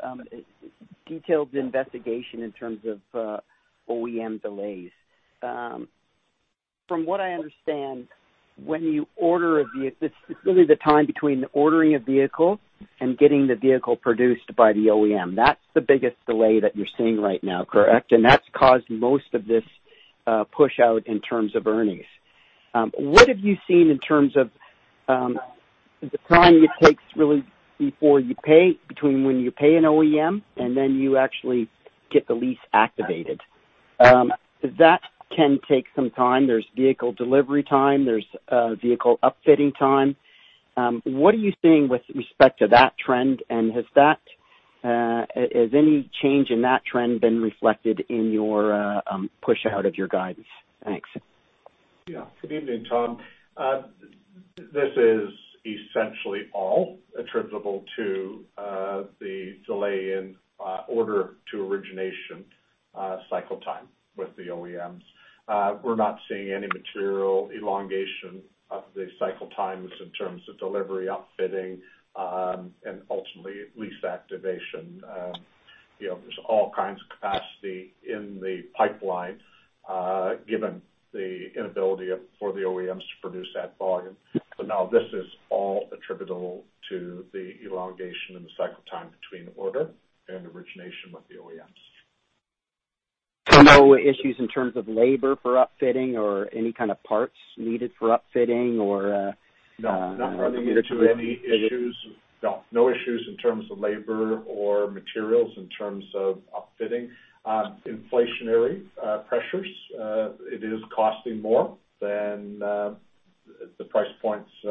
detailed investigation in terms of OEM delays. From what I understand, this is really the time between ordering a vehicle and getting the vehicle produced by the OEM. That's the biggest delay that you're seeing right now, correct? That's caused most of this push-out in terms of earnings. What have you seen in terms of the time it takes really before you pay, between when you pay an OEM and then you actually get the lease activated? That can take some time. There's vehicle delivery time. There's vehicle upfitting time. What are you seeing with respect to that trend, and has any change in that trend been reflected in your push out of your guidance? Thanks. Yeah. Good evening, Tom. This is essentially all attributable to the delay in order-to-origination cycle time with the OEMs. We're not seeing any material elongation of the cycle times in terms of delivery, upfitting, and ultimately lease activation. You know, there's all kinds of capacity in the pipeline, given the inability of the OEMs to produce that volume. But no, this is all attributable to the elongation in the cycle time between order and origination with the OEMs. No issues in terms of labor for upfitting or any kind of parts needed for upfitting or. No. Not running into any issues. No. No issues in terms of labor or materials in terms of upfitting. Inflationary pressures, it is costing more than the price points, you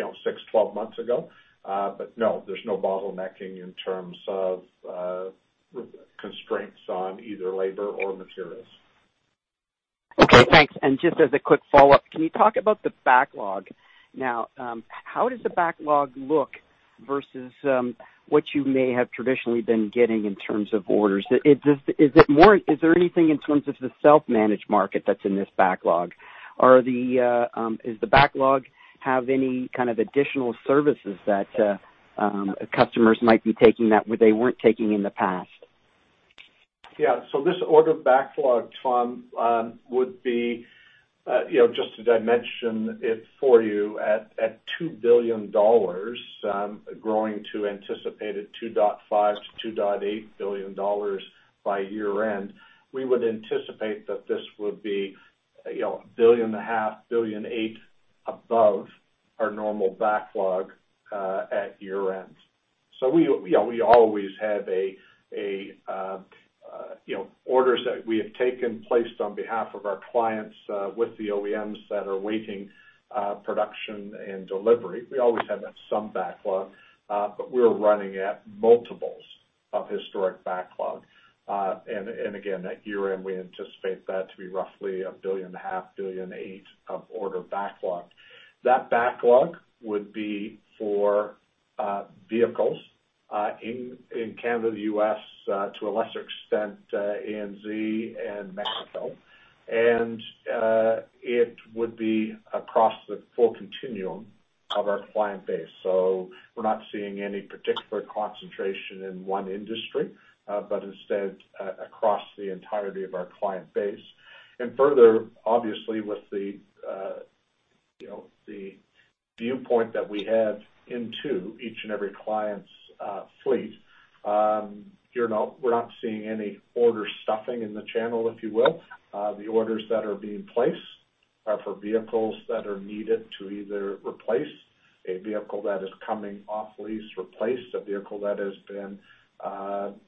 know, 6, 12 months ago. But no, there's no bottlenecking in terms of constraints on either labor or materials. Okay, thanks. Just as a quick follow-up, can you talk about the backlog? Now, how does the backlog look versus what you may have traditionally been getting in terms of orders? Is it more? Is there anything in terms of the self-managed market that's in this backlog? Is the backlog have any kind of additional services that customers might be taking that they weren't taking in the past? Yeah. This order backlog, Tom, you know, just as I mentioned it for you, at $2 billion, growing to anticipated $2.5-$2.8 billion by year-end. We would anticipate that this would be, you know, $1.5 billion-$1.8 billion above our normal backlog at year-end. We you know we always have a you know orders that we have taken and placed on behalf of our clients with the OEMs that are awaiting production and delivery. We always have some backlog, but we're running at multiples of historic backlog. And again, at year-end, we anticipate that to be roughly $1.5 billion-$1.8 billion of order backlog. That backlog would be for vehicles in Canada, U.S., to a lesser extent, ANZ and Mexico. It would be across the full continuum of our client base. We're not seeing any particular concentration in one industry, but instead, across the entirety of our client base. Further, obviously, with the you know, the viewpoint that we have into each and every client's fleet, we're not seeing any order stuffing in the channel, if you will. The orders that are being placed are for vehicles that are needed to either replace a vehicle that is coming off lease, replace a vehicle that has been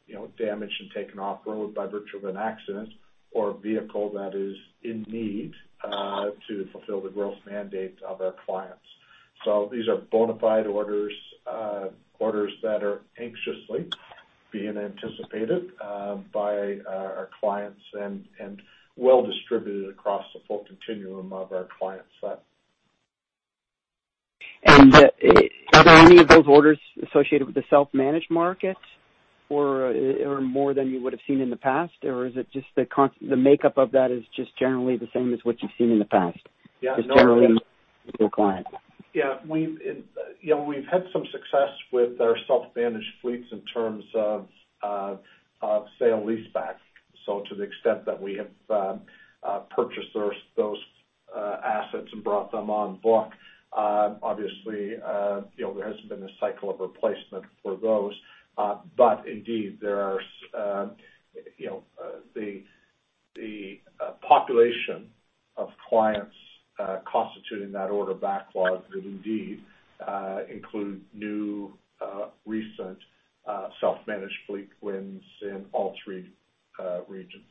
you know, damaged and taken off road by virtue of an accident, or a vehicle that is in need to fulfill the growth mandate of our clients. These are bona fide orders that are anxiously being anticipated by our clients and well distributed across the full continuum of our client set. Are there any of those orders associated with the self-managed market or more than you would have seen in the past? Or is it just the makeup of that is just generally the same as what you've seen in the past? Yeah. Just generally your client. Yeah. We've, you know, we've had some success with our self-managed fleets in terms of sale-leaseback. To the extent that we have purchased those assets and brought them on book, obviously, you know, there hasn't been a cycle of replacement for those. Indeed, there are, you know, the population of clients constituting that order backlog that indeed include new recent self-managed fleet wins in all 3 regions.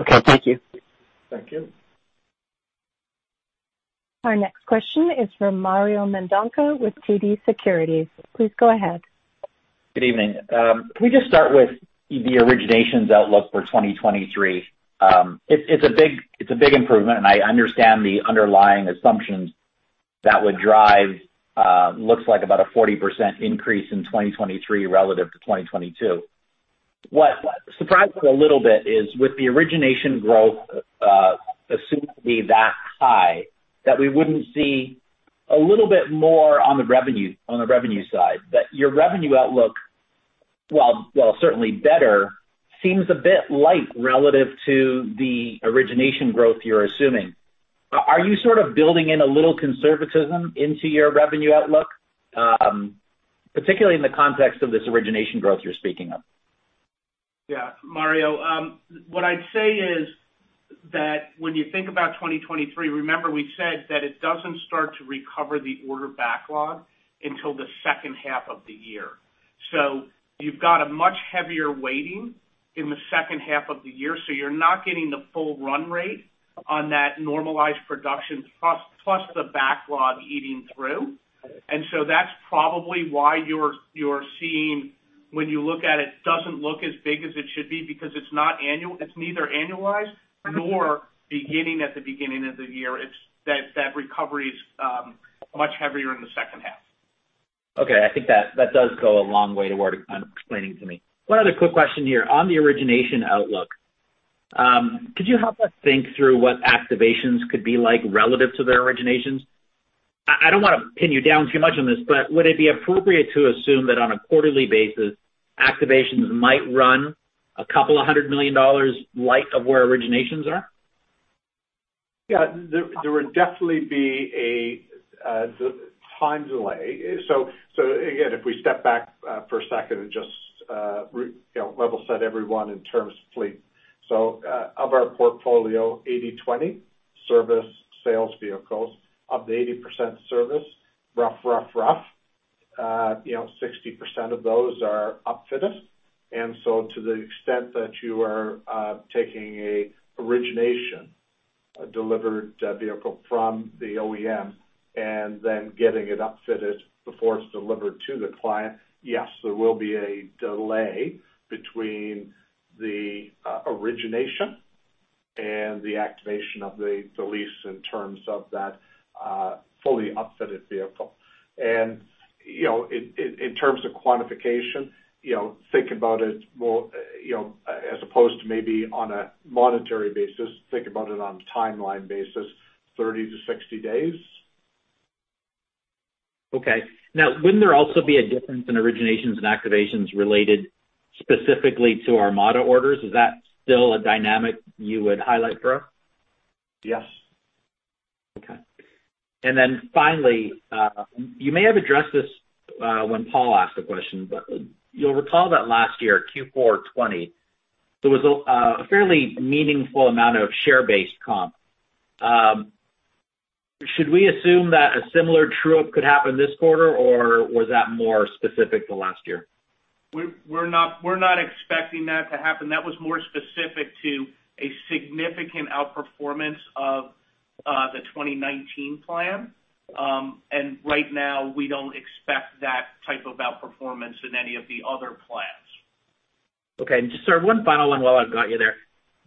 Okay, thank you. Thank you. Our next question is from Mario Mendonca with TD Securities. Please go ahead. Good evening. Can we just start with the originations outlook for 2023? It's a big improvement, and I understand the underlying assumptions that would drive looks like about a 40% increase in 2023 relative to 2022. What surprised me a little bit is with the origination growth assumed to be that high, that we wouldn't see a little bit more on the revenue side. Your revenue outlook, while certainly better, seems a bit light relative to the origination growth you're assuming. Are you sort of building in a little conservatism into your revenue outlook, particularly in the context of this origination growth you're speaking of? Yeah. Mario, what I'd say is that when you think about 2023, remember we said that it doesn't start to recover the order backlog until the second half of the year. You've got a much heavier weighting in the second half of the year, so you're not getting the full run rate on that normalized production plus the backlog eating through. That's probably why you're seeing when you look at it, doesn't look as big as it should be because it's not annual. It's neither annualized nor beginning at the beginning of the year. It's that recovery is much heavier in the second half. Okay. I think that does go a long way toward kind of explaining to me. One other quick question here. On the origination outlook, could you help us think through what activations could be like relative to their originations? I don't wanna pin you down too much on this, but would it be appropriate to assume that on a quarterly basis, activations might run $200 million light of where originations are? Yeah. There would definitely be a time delay. Again, if we step back for a second and just you know, level set everyone in terms of fleet. Of our portfolio, 80/20 service sales vehicles. Of the 80% service, roughly 60% of those are upfitted. To the extent that you are taking an origination delivered vehicle from the OEM and then getting it upfitted before it is delivered to the client, yes, there will be a delay between the origination and the activation of the lease in terms of that fully upfitted vehicle. You know, in terms of quantification, you know, think about it more as opposed to maybe on a monetary basis, think about it on a timeline basis, 30-60 days. Okay. Now, wouldn't there also be a difference in originations and activations related specifically to our model orders? Is that still a dynamic you would highlight, Bro? Yes. Okay. Finally, you may have addressed this, when Paul asked the question, but you'll recall that last year, Q4 2020, there was a fairly meaningful amount of share-based comp. Should we assume that a similar true-up could happen this quarter, or was that more specific to last year? We're not expecting that to happen. That was more specific to a significant outperformance of the 2019 plan. Right now, we don't expect that type of outperformance in any of the other plans. Okay. Just sort of one final one while I've got you there.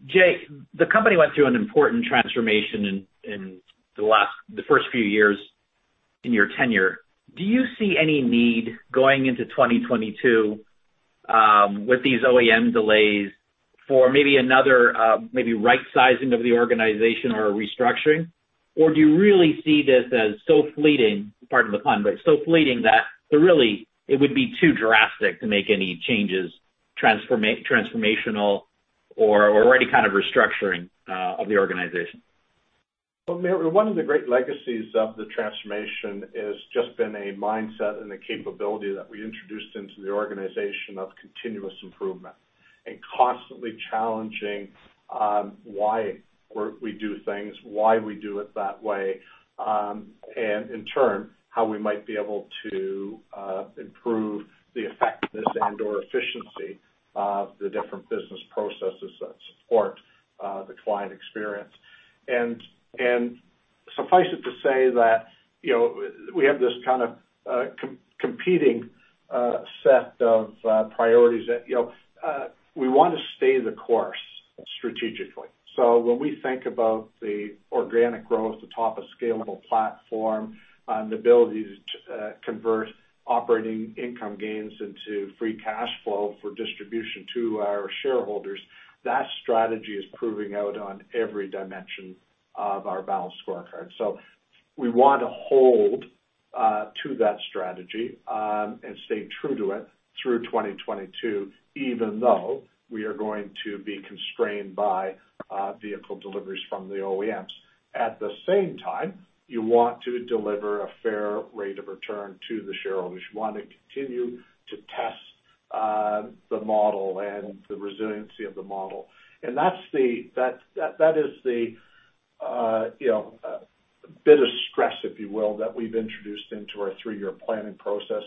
Jay, the company went through an important transformation in the first few years in your tenure. Do you see any need going into 2022 with these OEM delays for maybe another maybe right sizing of the organization or restructuring? Or do you really see this as so fleeting, pardon the pun, but so fleeting that really it would be too drastic to make any changes transformational or any kind of restructuring of the organization? Well, Mario, one of the great legacies of the transformation has just been a mindset and the capability that we introduced into the organization of continuous improvement and constantly challenging why we do things, why we do it that way, and in turn, how we might be able to improve the effectiveness and/or efficiency of the different business processes that support the client experience. Suffice it to say that, you know, we have this kind of competing set of priorities that, you know, we want to stay the course strategically. When we think about the organic growth, the top of scalable platform, the ability to convert operating income gains into free cash flow for distribution to our shareholders, that strategy is proving out on every dimension of our balanced scorecard. We want to hold to that strategy and stay true to it through 2022, even though we are going to be constrained by vehicle deliveries from the OEMs. At the same time, you want to deliver a fair rate of return to the shareholders. You want to continue to test the model and the resiliency of the model. That is the you know bit of stress, if you will, that we've introduced into our 3 year planning process,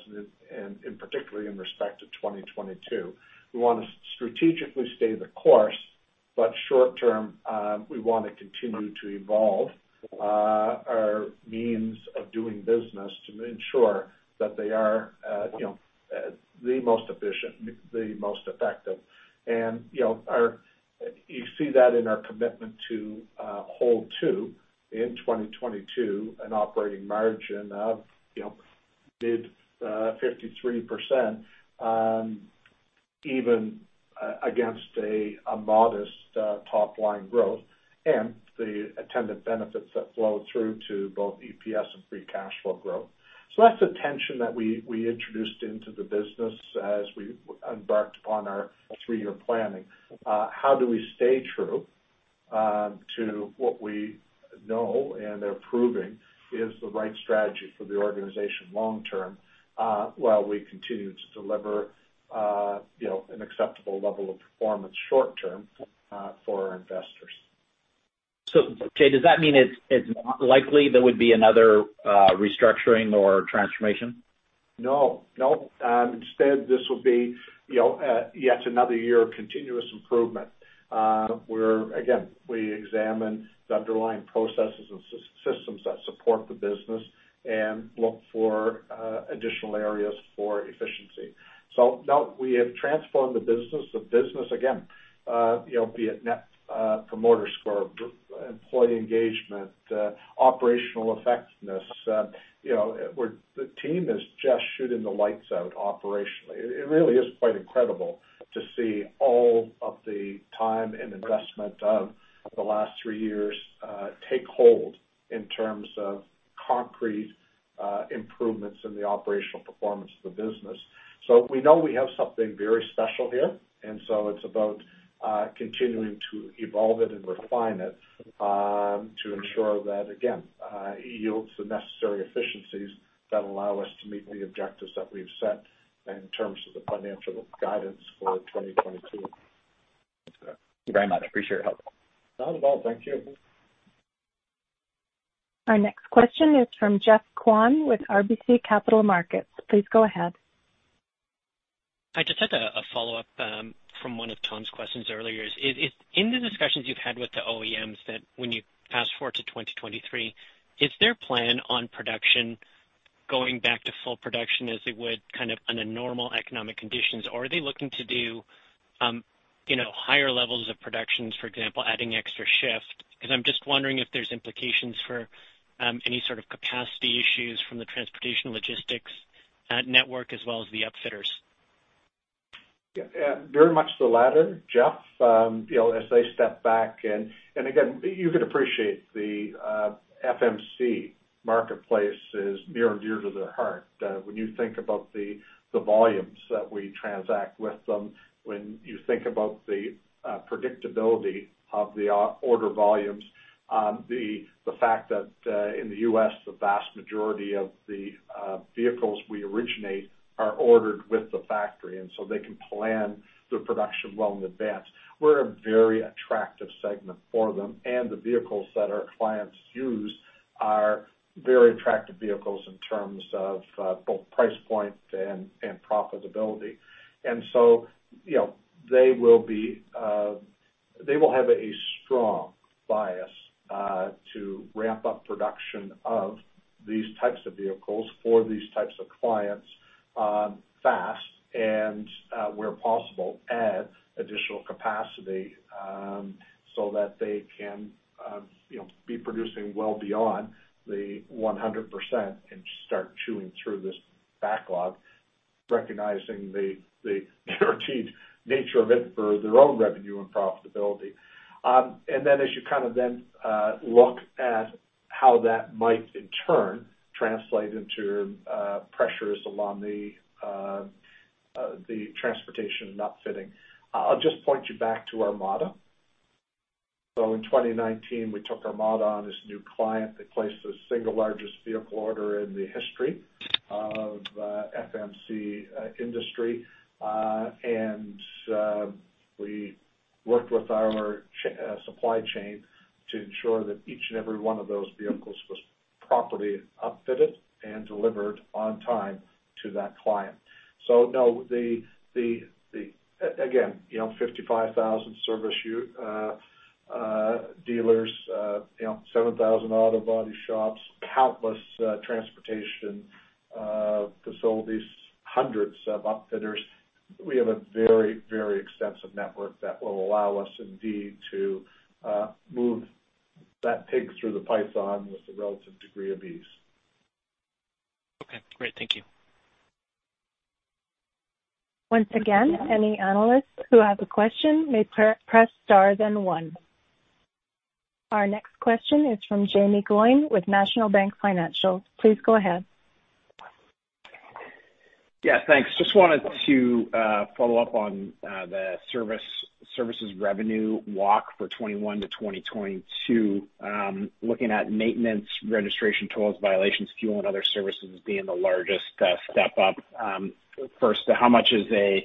and particularly in respect to 2022. We want to strategically stay the course, but short term, we wanna continue to evolve our means of doing business to ensure that they are you know the most efficient, the most effective. You know, our You see that in our commitment to hold to in 2022 an operating margin of, you know, mid-53%, even against a modest top line growth and the attendant benefits that flow through to both EPS and free cash flow growth. That's the tension that we introduced into the business as we embarked upon our 3 year planning. How do we stay true to what we know and are proving is the right strategy for the organization long term while we continue to deliver, you know, an acceptable level of performance short term for our investors. Jay, does that mean it's not likely there would be another restructuring or transformation? No, instead, this will be, you know, yet another year of continuous improvement. Again, we examine the underlying processes and systems that support the business and look for additional areas for efficiency. No, we have transformed the business. The business, again, you know, be it net promoter score, employee engagement, operational effectiveness, you know, the team is just shooting the lights out operationally. It really is quite incredible to see all of the time and investment of the last 3 years take hold in terms of concrete improvements in the operational performance of the business. We know we have something very special here, and so it's about continuing to evolve it and refine it to ensure that, again, it yields the necessary efficiencies that allow us to meet the objectives that we've set in terms of the financial guidance for 2022. Thanks very much. Appreciate your help. Not at all. Thank you. Our next question is from Geoffrey Kwan with RBC Capital Markets. Please go ahead. I just had a follow-up from one of Tom's questions earlier. In the discussions you've had with the OEMs, when you fast-forward to 2023, is their plan on production going back to full production as it would kind of under normal economic conditions? Or are they looking to do, you know, higher levels of productions, for example, adding extra shift? 'Cause I'm just wondering if there's implications for any sort of capacity issues from the transportation logistics network as well as the upfitters. Yeah, very much the latter, Jeff. You know, as they step back and again, you could appreciate the FMC marketplace is near and dear to their heart. When you think about the volumes that we transact with them, when you think about the predictability of the order volumes, the fact that in the U.S., the vast majority of the vehicles we originate are ordered with the factory, and so they can plan their production well in advance. We're a very attractive segment for them, and the vehicles that our clients use are very attractive vehicles in terms of both price point and profitability. They will have a strong bias to ramp up production of these types of vehicles for these types of clients fast and where possible add additional capacity so that they can you know be producing well beyond 100% and start chewing through this backlog recognizing the guaranteed nature of it for their own revenue and profitability. As you kind of look at how that might in turn translate into pressures along the transportation and upfitting. I'll just point you back to Armada. In 2019 we took Armada on as a new client. They placed the single largest vehicle order in the history of FMC industry. We worked with our supply chain to ensure that each and every one of those vehicles was properly upfitted and delivered on time to that client. No, again, you know, 55,000 service ur dealers, you know, 7,000 auto body shops, countless transportation facilities, hundreds of upfitters. We have a very, very extensive network that will allow us indeed to move that pig through the python with a relative degree of ease. Okay, great. Thank you. Once again, any analysts who have a question may press star then one. Our next question is from Jaeme Gloyn with National Bank Financial. Please go ahead. Yeah, thanks. Just wanted to follow up on the services revenue walk for 2021 to 2022. Looking at maintenance, registration, tools, violations, fuel and other services being the largest step up. First, how much of the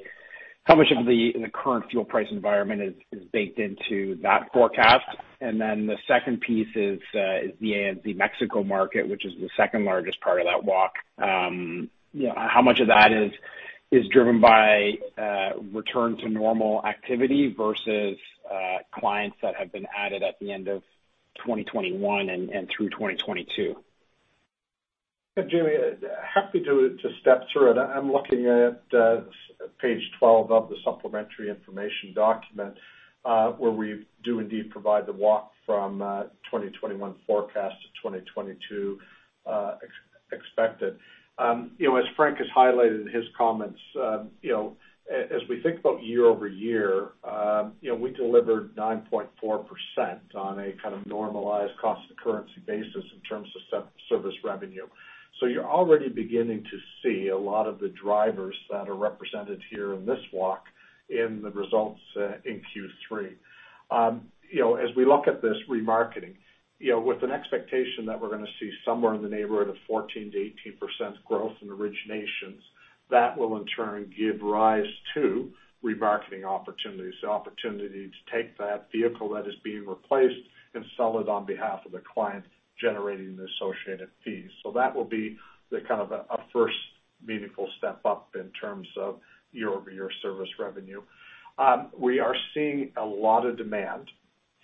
current fuel price environment is baked into that forecast? The second piece is the Mexico market, which is the second largest part of that walk. How much of that is driven by return to normal activity versus clients that have been added at the end of 2021 and through 2022? Yeah, Jaeme, happy to step through it. I'm looking at page 12 of the supplementary information document, where we do indeed provide the walk from 2021 forecast to 2022 expected. You know, as Frank has highlighted in his comments, you know, as we think about year-over-year, you know, we delivered 9.4% on a kind of normalized constant currency basis in terms of service revenue. You're already beginning to see a lot of the drivers that are represented here in this walk in the results in Q3. You know, as we look at this remarketing, you know, with an expectation that we're gonna see somewhere in the neighborhood of 14%-18% growth in originations, that will in turn give rise to remarketing opportunities. The opportunity to take that vehicle that is being replaced and sell it on behalf of the client, generating the associated fees. That will be the kind of first meaningful step up in terms of year-over-year service revenue. We are seeing a lot of demand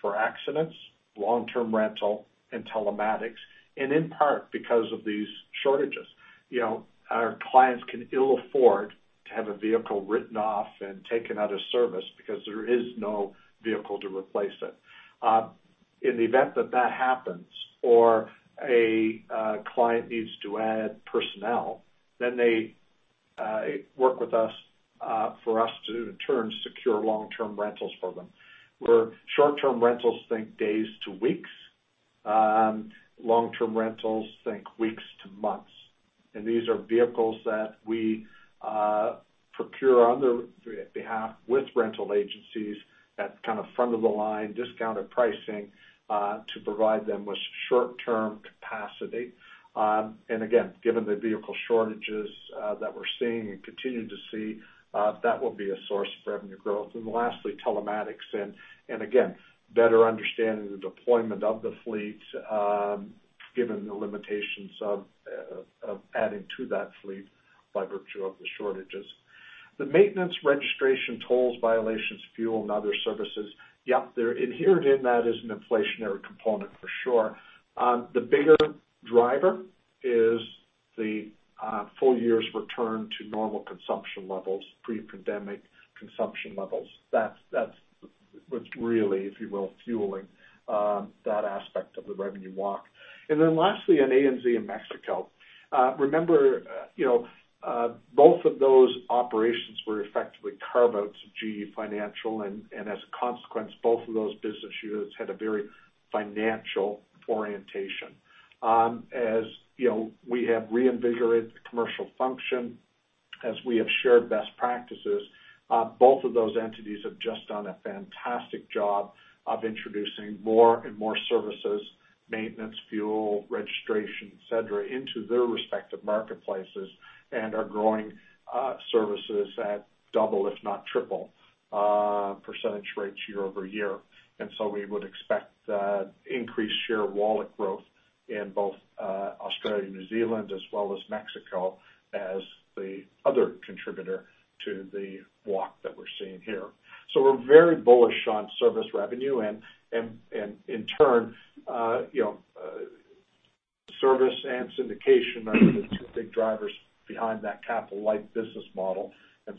for accidents, long-term rental and telematics, and in part because of these shortages. You know, our clients can ill afford to have a vehicle written off and taken out of service because there is no vehicle to replace it. In the event that happens or a client needs to add personnel, then they work with us for us to in turn secure long-term rentals for them. Where short-term rentals think days to weeks, long-term rentals think weeks to months. These are vehicles that we procure on their behalf with rental agencies at kind of front of the line discounted pricing to provide them with short-term capacity. Given the vehicle shortages that we're seeing and continue to see, that will be a source of revenue growth. Lastly, telematics, better understanding the deployment of the fleet, given the limitations of adding to that fleet by virtue of the shortages. The maintenance, registration, tolls, violations, fuel, and other services, they're inherent in that is an inflationary component for sure. The bigger driver is the full year's return to normal consumption levels, pre-pandemic consumption levels. That's what's really, if you will, fueling that aspect of the revenue walk. Then lastly on ANZ and Mexico, remember, you know, both of those operations were effectively carve-outs of GE Capital. And as a consequence, both of those business units had a very financial orientation. As you know, we have reinvigorated the commercial function. As we have shared best practices, both of those entities have just done a fantastic job of introducing more and more services, maintenance, fuel, registration, et cetera, into their respective marketplaces, and are growing services at double if not triple percentage rates year over year. We would expect increased share wallet growth in both Australia, New Zealand, as well as Mexico as the other contributor to the walk that we're seeing here. We're very bullish on service revenue and in turn, service and syndication are the 2 big drivers behind that capital light business model.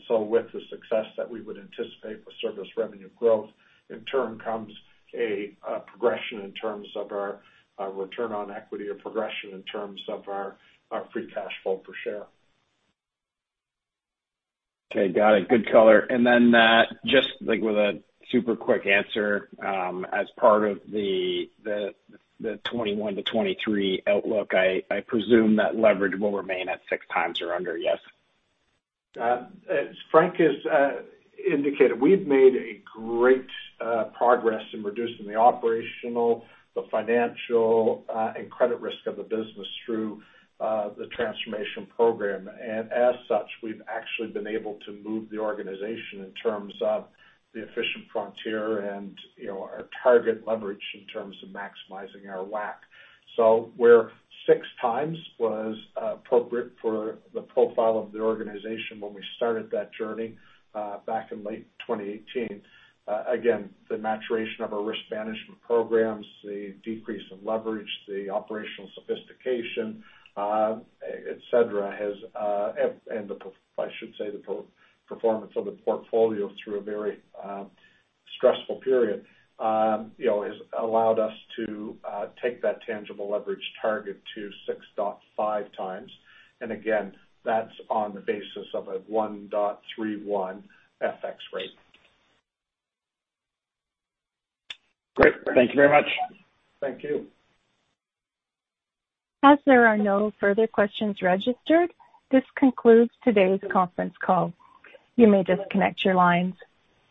With the success that we would anticipate with service revenue growth, in turn comes a progression in terms of our return on equity or progression in terms of our free cash flow per share. Okay. Got it. Good color. Just like with a super quick answer, as part of the 2021 to 2023 outlook, I presume that leverage will remain at 6x or under, yes? As Frank has indicated, we've made a great progress in reducing the operational, the financial, and credit risk of the business through the transformation program. As such, we've actually been able to move the organization in terms of the efficient frontier and, you know, our target leverage in terms of maximizing our WACC. Where 6x was appropriate for the profile of the organization when we started that journey back in late 2018, again, the maturation of our risk management programs, the decrease in leverage, the operational sophistication, et cetera, and the performance of the portfolio through a very stressful period, you know, has allowed us to take that tangible leverage target to 6.5x. Again, that's on the basis of a 1.31 FX rate. Great. Thank you very much. Thank you. As there are no further questions registered, this concludes today's conference call. You may disconnect your lines.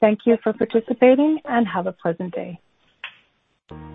Thank you for participating, and have a pleasant day.